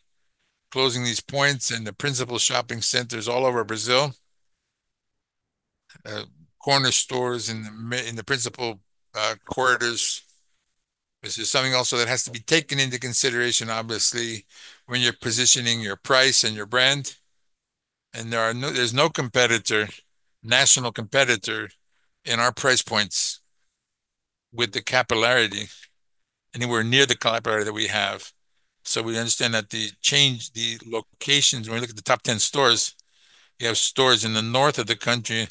Closing these points in the principal shopping centers all over Brazil, corner stores in the principal corridors. This is something also that has to be taken into consideration, obviously, when you're positioning your price and your brand. There's no competitor, national competitor in our price points with the capillarity anywhere near the capillarity that we have. We understand that the change, the locations, when we look at the top ten stores, you have stores in the north of the country,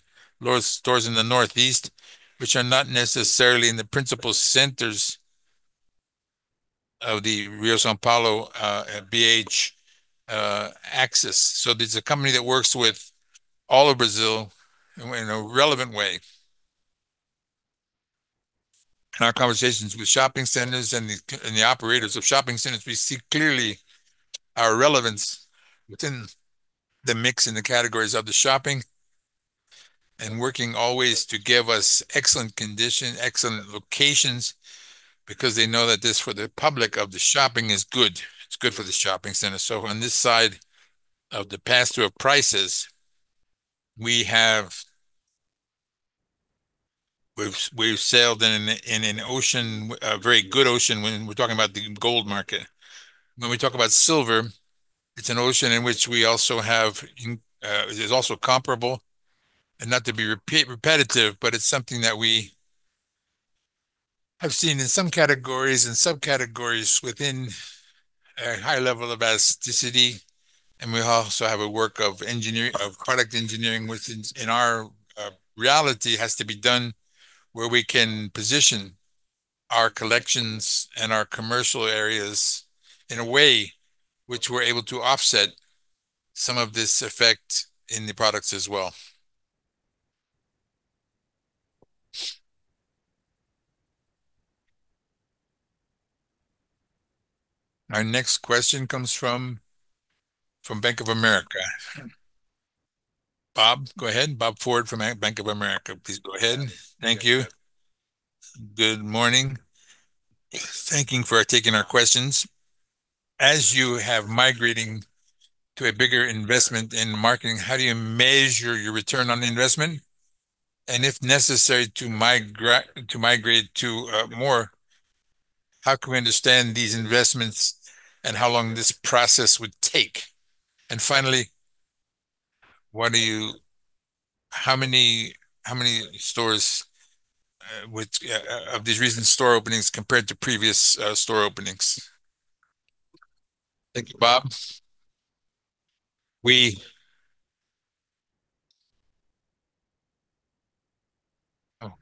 stores in the northeast, which are not necessarily in the principal centers of the Rio-São Paulo, BH, axis. This is a company that works with all of Brazil in a relevant way. In our conversations with shopping centers and the operators of shopping centers, we see clearly our relevance within the mix and the categories of the shopping and working always to give us excellent condition, excellent locations because they know that this for the public of the shopping is good. It's good for the shopping center. On this side of the pass-through of prices, we have sailed in an ocean, a very good ocean when we're talking about the gold market. When we talk about silver, it's an ocean in which we also have. It is also comparable. Not to be repetitive, but it's something that we have seen in some categories and subcategories within a high level of elasticity. We also have a work of product engineering, which in our reality has to be done where we can position our collections and our commercial areas in a way which we're able to offset some of this effect in the products as well. Our next question comes from Bank of America. Bob Ford, go ahead. Bob Ford from Bank of America, please go ahead. Thank you. Good morning. Thank you for taking our questions. As you're migrating to a bigger investment in marketing, how do you measure your return on investment? If necessary to migrate to more, how can we understand these investments and how long this process would take? Finally, how many stores, which of these recent store openings compared to previous store openings? Thank you, Bob. We've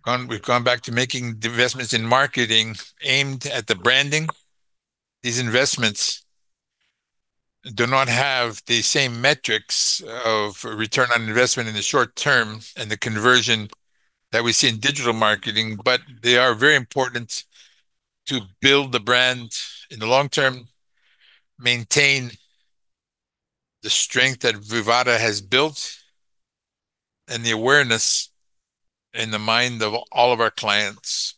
gone back to making the investments in marketing aimed at the branding. These investments do not have the same metrics of return on investment in the short term and the conversion that we see in digital marketing, but they are very important to build the brand in the long term, maintain the strength that Vivara has built, and the awareness in the mind of all of our clients.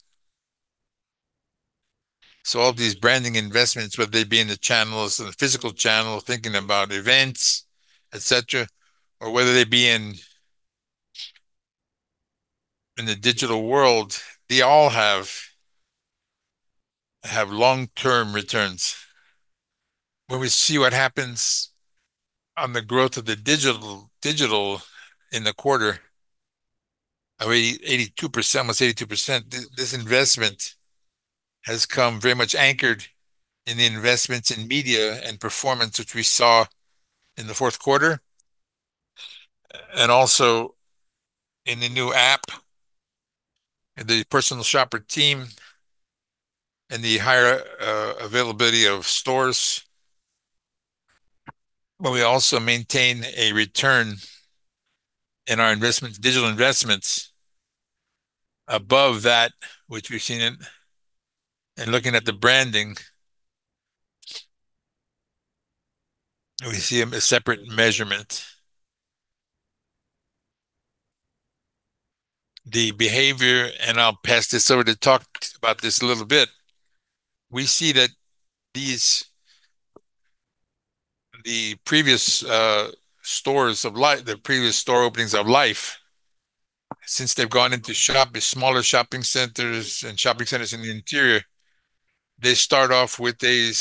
All of these branding investments, whether they be in the channels, in the physical channel, thinking about events, et cetera, or whether they be in the digital world, they all have long-term returns. When we see what happens on the growth of the digital in the quarter, 82%, almost 82%. This investment has come very much anchored in the investments in media and performance, which we saw in the fourth quarter, and also in the new app, in the personal shopper team, and the higher availability of stores, where we also maintain a return in our investments, digital investments above that which we've seen in. In looking at the branding, we see a separate measurement. The behavior, I'll pass this over to talk about this a little bit. We see that these, the previous stores of Life, the previous store openings of Life, since they've gone into smaller shopping centers and shopping centers in the interior, they start off with a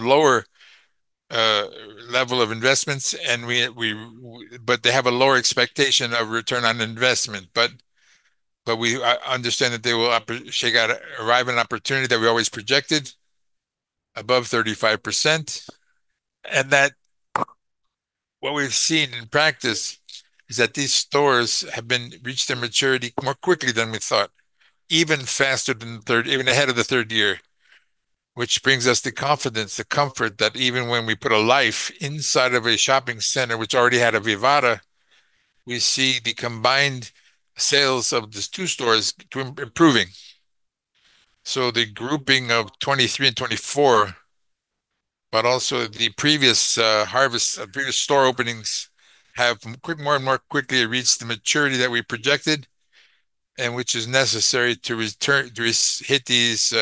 lower level of investments and we. They have a lower expectation of return on investment. We understand that they will offer an opportunity that we always projected above 35%. What we've seen in practice is that these stores have reached their maturity more quickly than we thought, even faster, even ahead of the third year. Which brings us the confidence, the comfort that even when we put a Life inside of a shopping center which already had a Vivara, we see the combined sales of these two stores improving. The grouping of 2023 and 2024, but also the previous harvest. Previous store openings have quicker and more quickly reached the maturity that we projected and which is necessary to hit these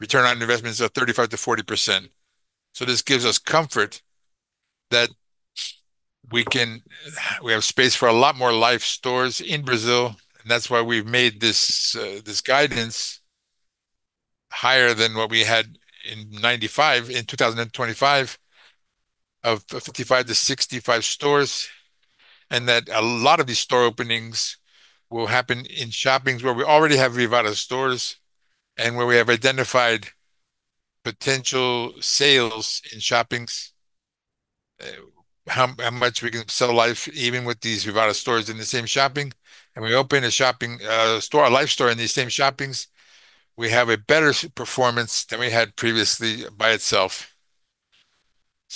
return on investments of 35%-40%. This gives us comfort that we have space for a lot more Life stores in Brazil, and that's why we've made this guidance higher than what we had in 2025 of 55-65 stores. That a lot of these store openings will happen in shoppings where we already have Vivara stores and where we have identified potential sales in shoppings, how much we can sell Life even with these Vivara stores in the same shopping. We open a shopping store, a Life store in these same shoppings, we have a better performance than we had previously by itself.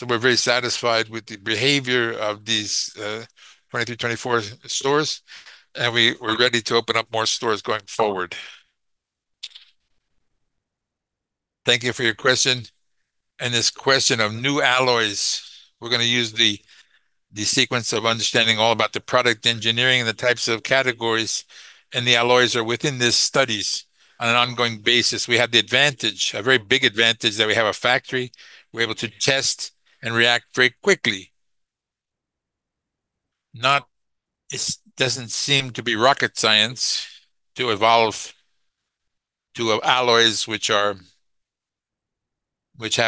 We're very satisfied with the behavior of these 2023, 2024 stores, and we're ready to open up more stores going forward. Thank you for your question. This question of new alloys, we're gonna use the sequence of understanding all about the product engineering and the types of categories, and the alloys are within these studies on an ongoing basis. We have the advantage, a very big advantage that we have a factory. We're able to test and react very quickly. It doesn't seem to be rocket science to evolve to alloys which have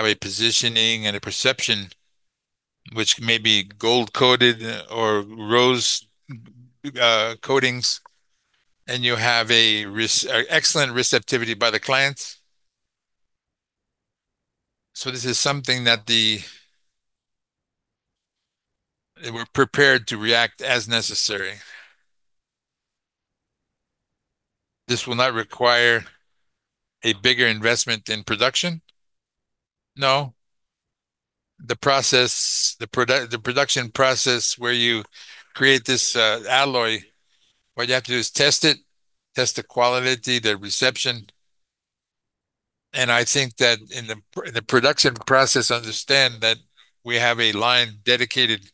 a positioning and a perception which may be gold-coated or rose coatings, and you have excellent receptivity by the clients. This is something that we're prepared to react as necessary. This will not require a bigger investment in production. No. The production process where you create this alloy, what you have to do is test it, test the quality, the reception. I think that in the production process, understand that we have a line dedicated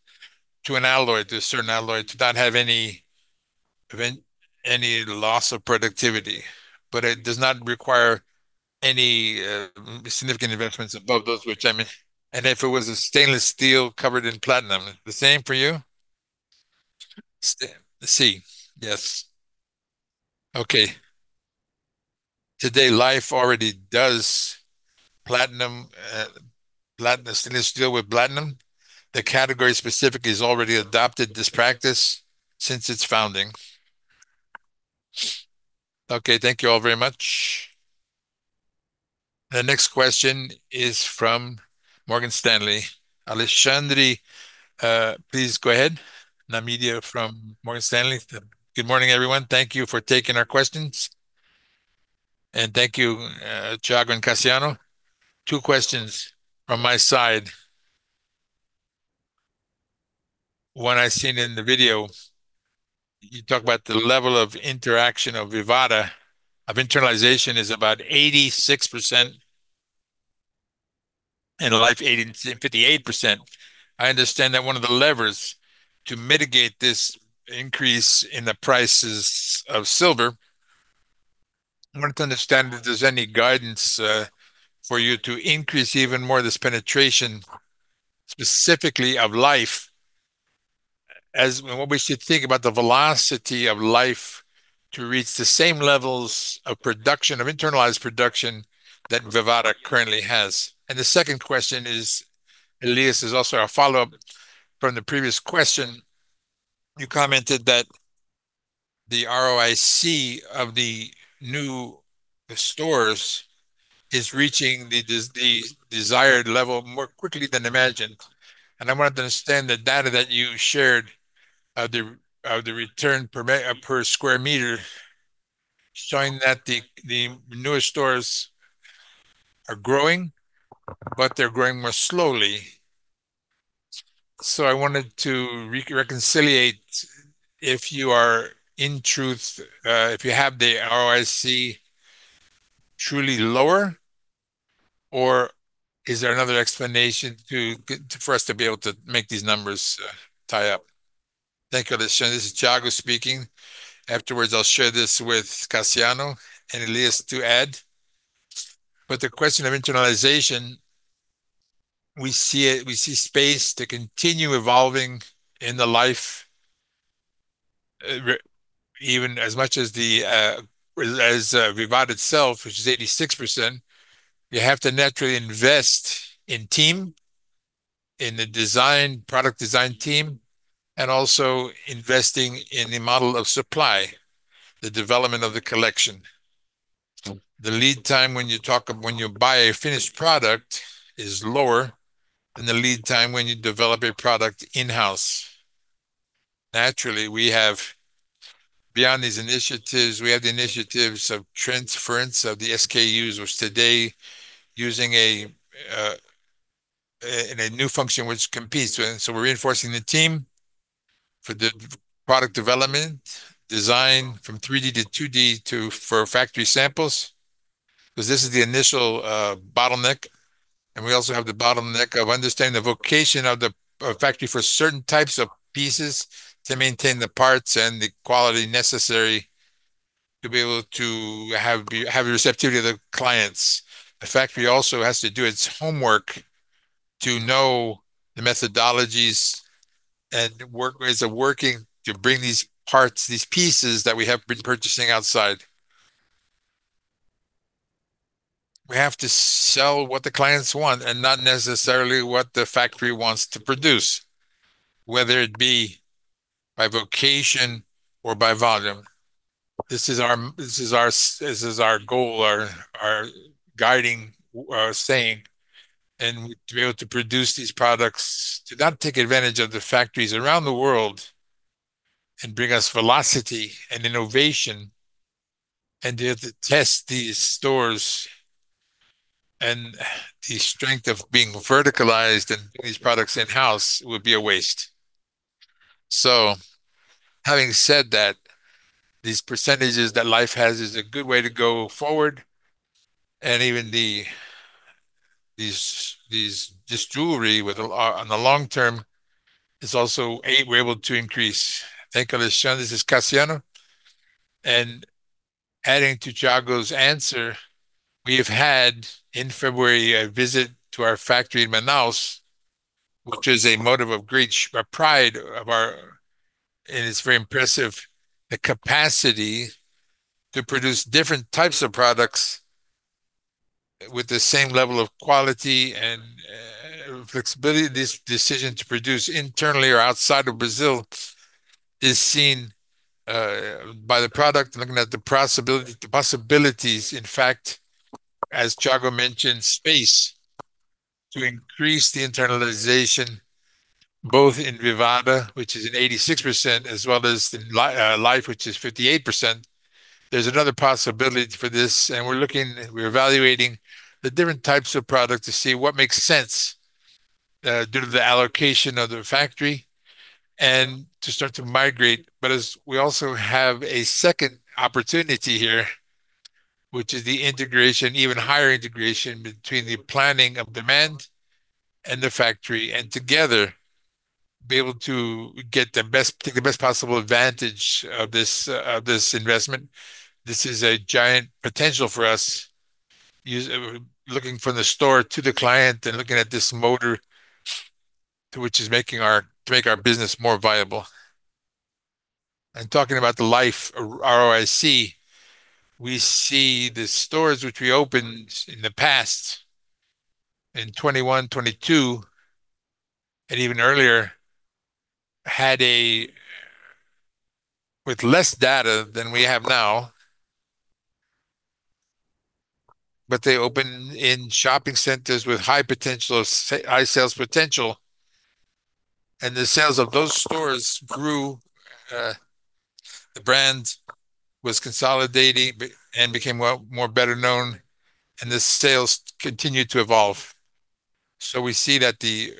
to an alloy, to a certain alloy to not have any loss of productivity, but it does not require any significant investments above those which I mentioned. If it was a stainless steel covered in platinum, the same for you? Yes. Okay. Today, Life already does platinum stainless steel with platinum. The category specific has already adopted this practice since its founding. Okay. Thank you all very much. The next question is from Morgan Stanley. Alexandre, please go ahead. Namioka from Morgan Stanley. Good morning, everyone. Thank you for taking our questions. Thank you, Thiago and Cassiano. Two questions from my side. One I've seen in the video, you talk about the level of interaction of Vivara, of internalization is about 86% and Life 85.8%. I understand that one of the levers to mitigate this increase in the prices of silver. I want to understand if there's any guidance for you to increase even more this penetration specifically of Life as when we should think about the velocity of Life to reach the same levels of production, of internalized production that Vivara currently has. The second question is, Elias, is also a follow-up from the previous question. You commented that the ROIC of the new stores is reaching the desired level more quickly than imagined, and I wanted to understand the data that you shared of the return per square meter, showing that the newer stores are growing, but they're growing more slowly. I wanted to reconcile if you are in truth if you have the ROIC truly lower or is there another explanation for us to be able to make these numbers tie up? Thank you, Alexandre. This is Thiago speaking. Afterwards, I'll share this with Cassiano and Elias to add. The question of internalization, we see space to continue evolving in the Life by Vivara even as much as the Vivara itself, which is 86%. You have to naturally invest in team, in the design, product design team, and also investing in the model of supply, the development of the collection. The lead time when you buy a finished product is lower than the lead time when you develop a product in-house. Naturally, we have. Beyond these initiatives, we have the initiatives of transference of the SKUs, which today using a new function which competes. We're reinforcing the team for the product development, design from 3D to 2D for factory samples, because this is the initial bottleneck. We also have the bottleneck of understanding the vocation of the factory for certain types of pieces to maintain the parts and the quality necessary to be able to have the receptivity of the clients. The factory also has to do its homework to know the methodologies and ways of working to bring these parts, these pieces that we have been purchasing outside. We have to sell what the clients want and not necessarily what the factory wants to produce, whether it be by vocation or by volume. This is our goal, our guiding saying. To be able to produce these products, to not take advantage of the factories around the world and bring us velocity and innovation, and they have to test these stores. The strength of being verticalized and putting these products in-house would be a waste. Having said that, these percentages that Life has is a good way to go forward, and even this jewelry with a on the long term is also we're able to increase. Thank you, Alexandre. This is Cassiano. Adding to Thiago's answer, we have had in February a visit to our factory in Manaus, which is a motive of great pride of our. It's very impressive, the capacity to produce different types of products with the same level of quality and flexibility. This decision to produce internally or outside of Brazil is seen by the product, looking at the possibility, the possibilities, in fact, as Thiago mentioned, space to increase the internalization, both in Vivara, which is 86%, as well as in Life, which is 58%. There's another possibility for this, and we're looking, we're evaluating the different types of product to see what makes sense due to the allocation of the factory and to start to migrate. As we also have a second opportunity here, which is the integration, even higher integration between the planning of demand and the factory, and together be able to get the best, take the best possible advantage of this investment. This is a giant potential for us, looking from the store to the client and looking at this motor to make our business more viable. Talking about the Life ROIC, we see the stores which we opened in the past, in 2021, 2022, and even earlier, had a with less data than we have now, but they opened in shopping centers with high potential, high sales potential. The sales of those stores grew, the brand was consolidating and became well, more better known, and the sales continued to evolve. We see that the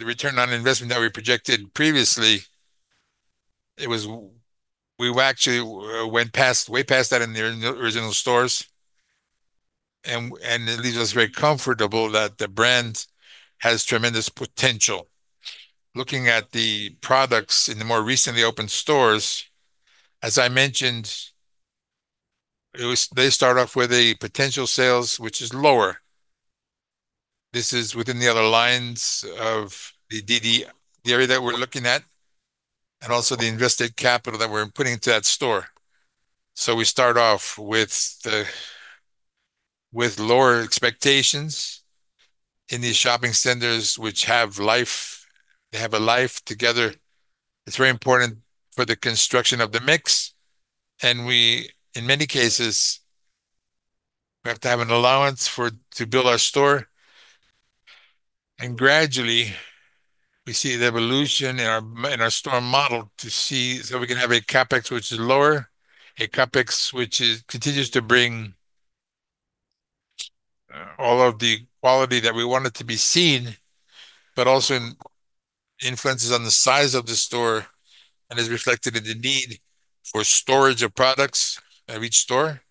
return on investment that we projected previously, we actually went past, way past that in the original stores. It leaves us very comfortable that the brand has tremendous potential. Looking at the products in the more recently opened stores, as I mentioned, they start off with a potential sales which is lower. This is within the other lines of the DD, the area that we're looking at, and also the invested capital that we're putting into that store. We start off with lower expectations in these shopping centers, which have life, they have a life together. It's very important for the construction of the mix. In many cases, we have to have an allowance for to build our store. Gradually, we see the evolution in our store model, so we can have a CapEx which is lower, continues to bring all of the quality that we want it to be seen, but also influences the size of the store and is reflected in the need for storage of products at each store.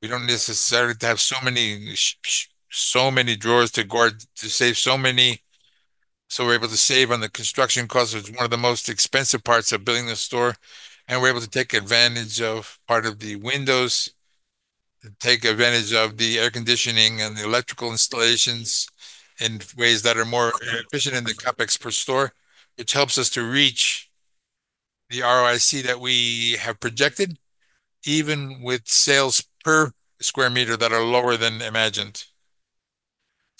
We don't necessarily have to have so many drawers to guard, so we're able to save on the construction cost, which is one of the most expensive parts of building a store, and we're able to take advantage of part of the windows. Take advantage of the air conditioning and the electrical installations in ways that are more efficient in the CapEx per store, which helps us to reach the ROIC that we have projected. even with sales per square meter that are lower than imagined.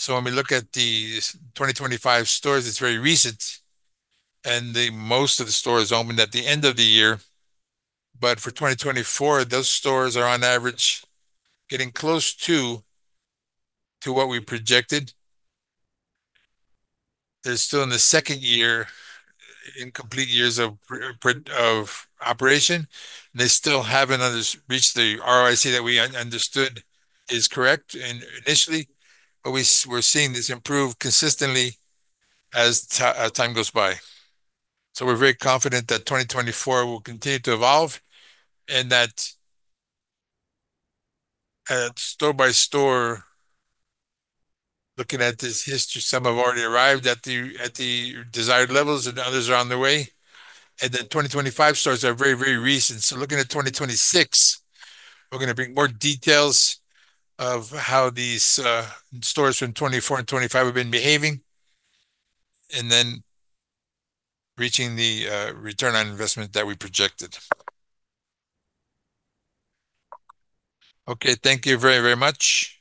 When we look at the 2025 stores, it's very recent, and most of the stores opened at the end of the year. For 2024, those stores are on average getting close to what we projected. They're still in the second year, in complete years of operation. They still haven't reached the ROIC that we understood is correct initially, but we're seeing this improve consistently as time goes by. We're very confident that 2024 will continue to evolve and that, store by store, looking at this history, some have already arrived at the desired levels, and others are on their way. Then 2025 stores are very, very recent. Looking at 2026, we're gonna bring more details of how these stores from 2024 and 2025 have been behaving and then reaching the return on investment that we projected. Okay, thank you very, very much.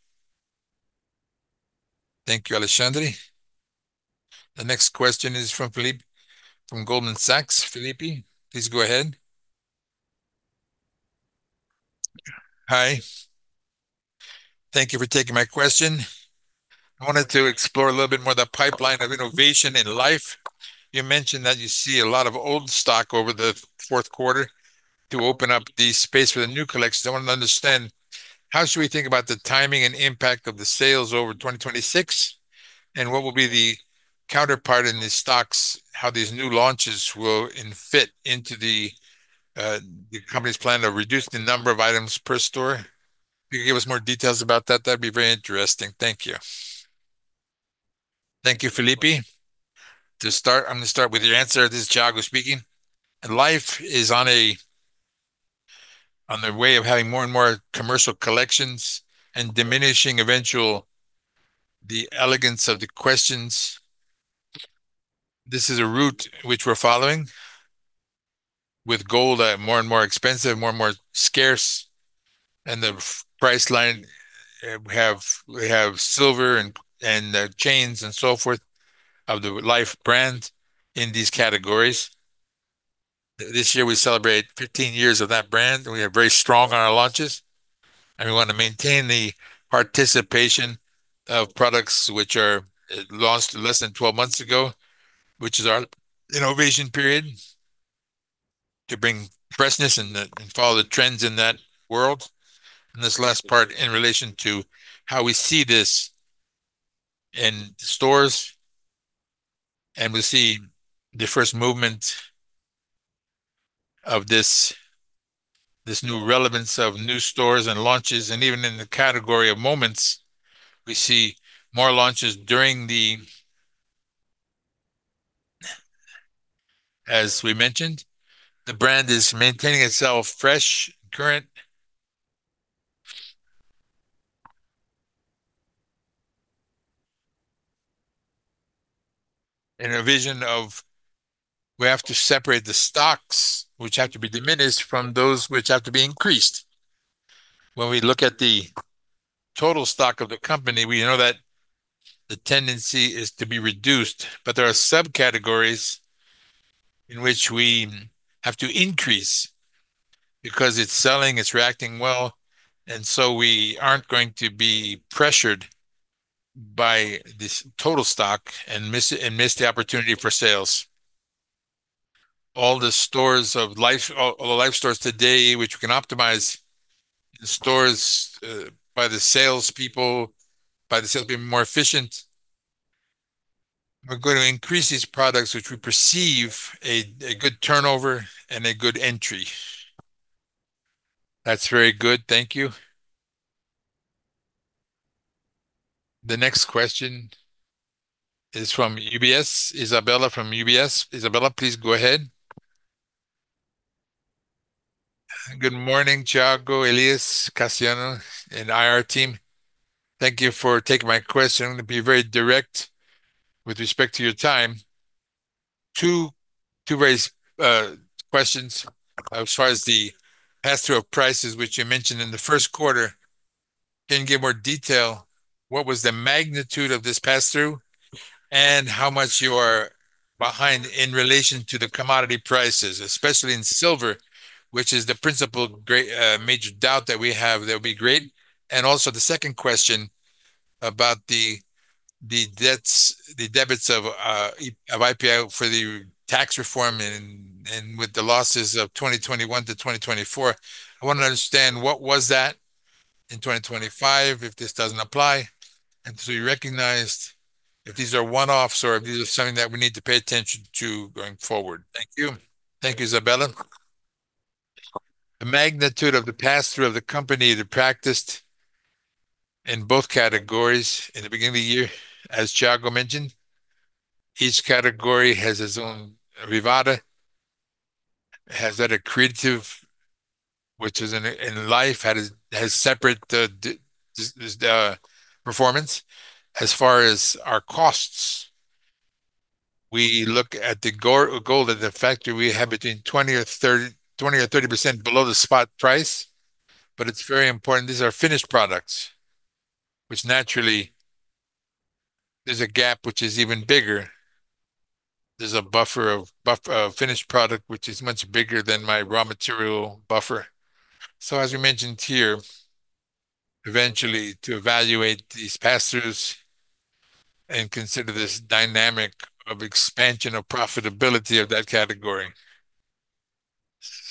Thank you, Alexandre. The next question is from Felipe from Goldman Sachs. Felipe, please go ahead. Hi. Thank you for taking my question. I wanted to explore a little bit more the pipeline of innovation in Life. You mentioned that you see a lot of old stock over the fourth quarter to open up the space for the new collections. I want to understand how should we think about the timing and impact of the sales over 2026, and what will be the counterpart in the stocks, how these new launches will fit into the company's plan to reduce the number of items per store. If you could give us more details about that'd be very interesting. Thank you. Thank you, Felipe. To start, I'm gonna start with your answer. This is Thiago speaking. Life is on the way of having more and more commercial collections and diminishing eventually the elegance of the collections. This is a route which we're following with gold, more and more expensive, more and more scarce, and the affordable price line, we have silver and chains and so forth of the Life by Vivara in these categories. This year we celebrate 15 years of that brand, and we are very strong on our launches, and we want to maintain the participation of products which are launched less than 12 months ago, which is our innovation period, to bring freshness and follow the trends in that world. This last part in relation to how we see this in stores, and we see the first movement of this new relevance of new stores and launches, and even in the category of Moments, we see more launches during the. As we mentioned, the brand is maintaining itself fresh, current. In our vision, we have to separate the stocks which have to be diminished from those which have to be increased. When we look at the total stock of the company, we know that the tendency is to be reduced, but there are subcategories in which we have to increase because it's selling, it's reacting well, and so we aren't going to be pressured by this total stock and miss the opportunity for sales. All the Life stores today, which we can optimize the stores by the salespeople being more efficient. We're gonna increase these products which we perceive a good turnover and a good entry. That's very good. Thank you. The next question is from UBS. Isabella from UBS. Isabella, please go ahead. Good morning, Thiago, Elias, Cassiano, and IR team. Thank you for taking my question. I'm gonna be very direct with respect to your time. Two very specific questions as far as the pass-through of prices, which you mentioned in the first quarter. Can you give more detail what was the magnitude of this pass-through and how much you are behind in relation to the commodity prices, especially in silver, which is the principal major doubt that we have. That'll be great. Also the second question about the debts, the debits of IPI for the tax reform and with the losses of 2021 to 2024. I want to understand what was that in 2025, if this doesn't apply, and so you recognized if these are one-offs or if these are something that we need to pay attention to going forward. Thank you. Thank you, Isabella. The magnitude of the pass-through of the company that practiced in both categories in the beginning of the year, as Thiago mentioned. Each category has its own revada. Has had a strategy which is in Life by Vivara has separate the performance. As far as our costs, we look at the goal that the factory we have between 20%-30% below the spot price, but it's very important. These are finished products, which naturally there's a gap which is even bigger. There's a buffer of a finished product which is much bigger than my raw material buffer. As we mentioned here, eventually to evaluate these pass-throughs and consider this dynamic of expansion of profitability of that category.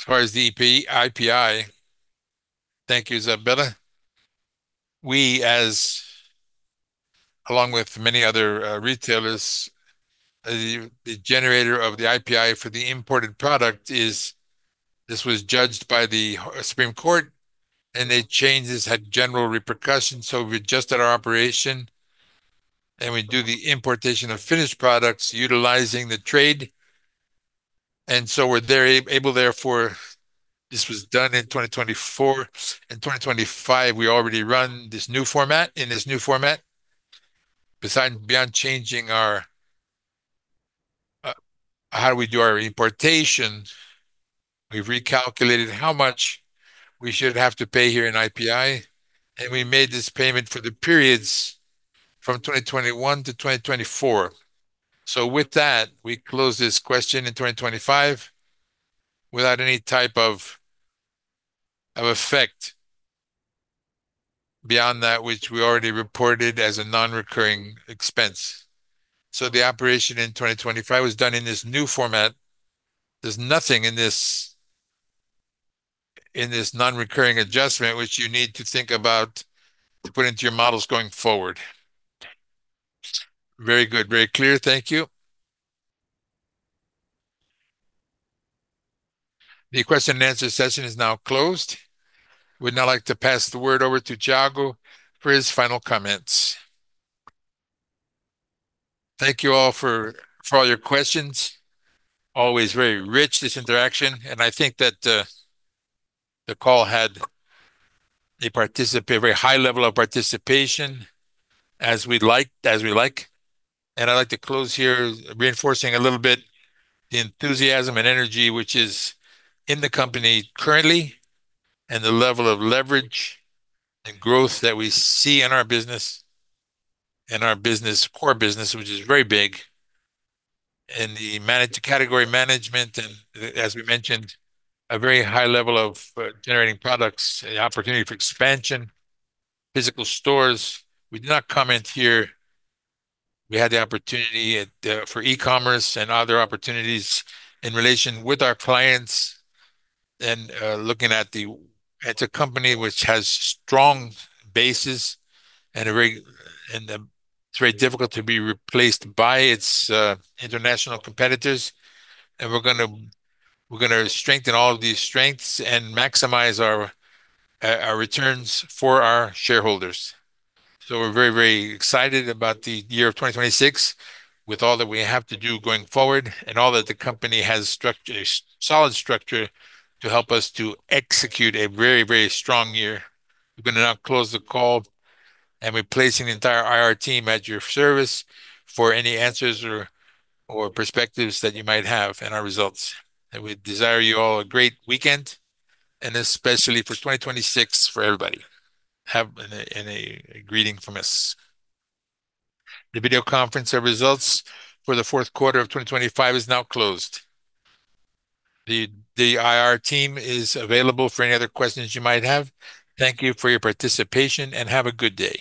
As far as the IPI, thank you, Isabella. We, as well as many other retailers, the generator of the IPI for the imported product. This was judged by the Supreme Federal Court, and the changes had general repercussions, so we adjusted our operations, and we do the importation of finished products utilizing the drawback. We were able. Therefore, this was done in 2024. In 2025, we already run this new format. Beyond changing how we do our importation, we've recalculated how much we should have to pay of IPI, and we made this payment for the periods from 2021 to 2024. With that, we close this question in 2025 without any type of effect beyond that which we already reported as a non-recurring expense. The operation in 2025 was done in this new format. There's nothing in this non-recurring adjustment which you need to think about to put into your models going forward. Very good. Very clear. Thank you. The question and answer session is now closed. We'd now like to pass the word over to Thiago for his final comments. Thank you all for all your questions. Always very rich, this interaction, and I think that the call had a very high level of participation as we like. I'd like to close here reinforcing a little bit the enthusiasm and energy which is in the company currently and the level of leverage and growth that we see in our business core business, which is very big. In the category management and as we mentioned, a very high level of generating products and the opportunity for expansion. Physical stores, we did not comment here. We had the opportunity for e-commerce and other opportunities in relation with our clients and looking at the. It's a company which has strong bases, and it's very difficult to be replaced by its international competitors, and we're gonna strengthen all of these strengths and maximize our returns for our shareholders. We're very, very excited about the year of 2026 with all that we have to do going forward and all that the company has a solid structure to help us to execute a very, very strong year. We're gonna now close the call, and we're placing the entire IR team at your service for any answers or perspectives that you might have in our results. We desire you all a great weekend and especially for 2026 for everybody. Have a greeting from us. The video conference of results for the fourth quarter of 2025 is now closed. The IR team is available for any other questions you might have. Thank you for your participation, and have a good day.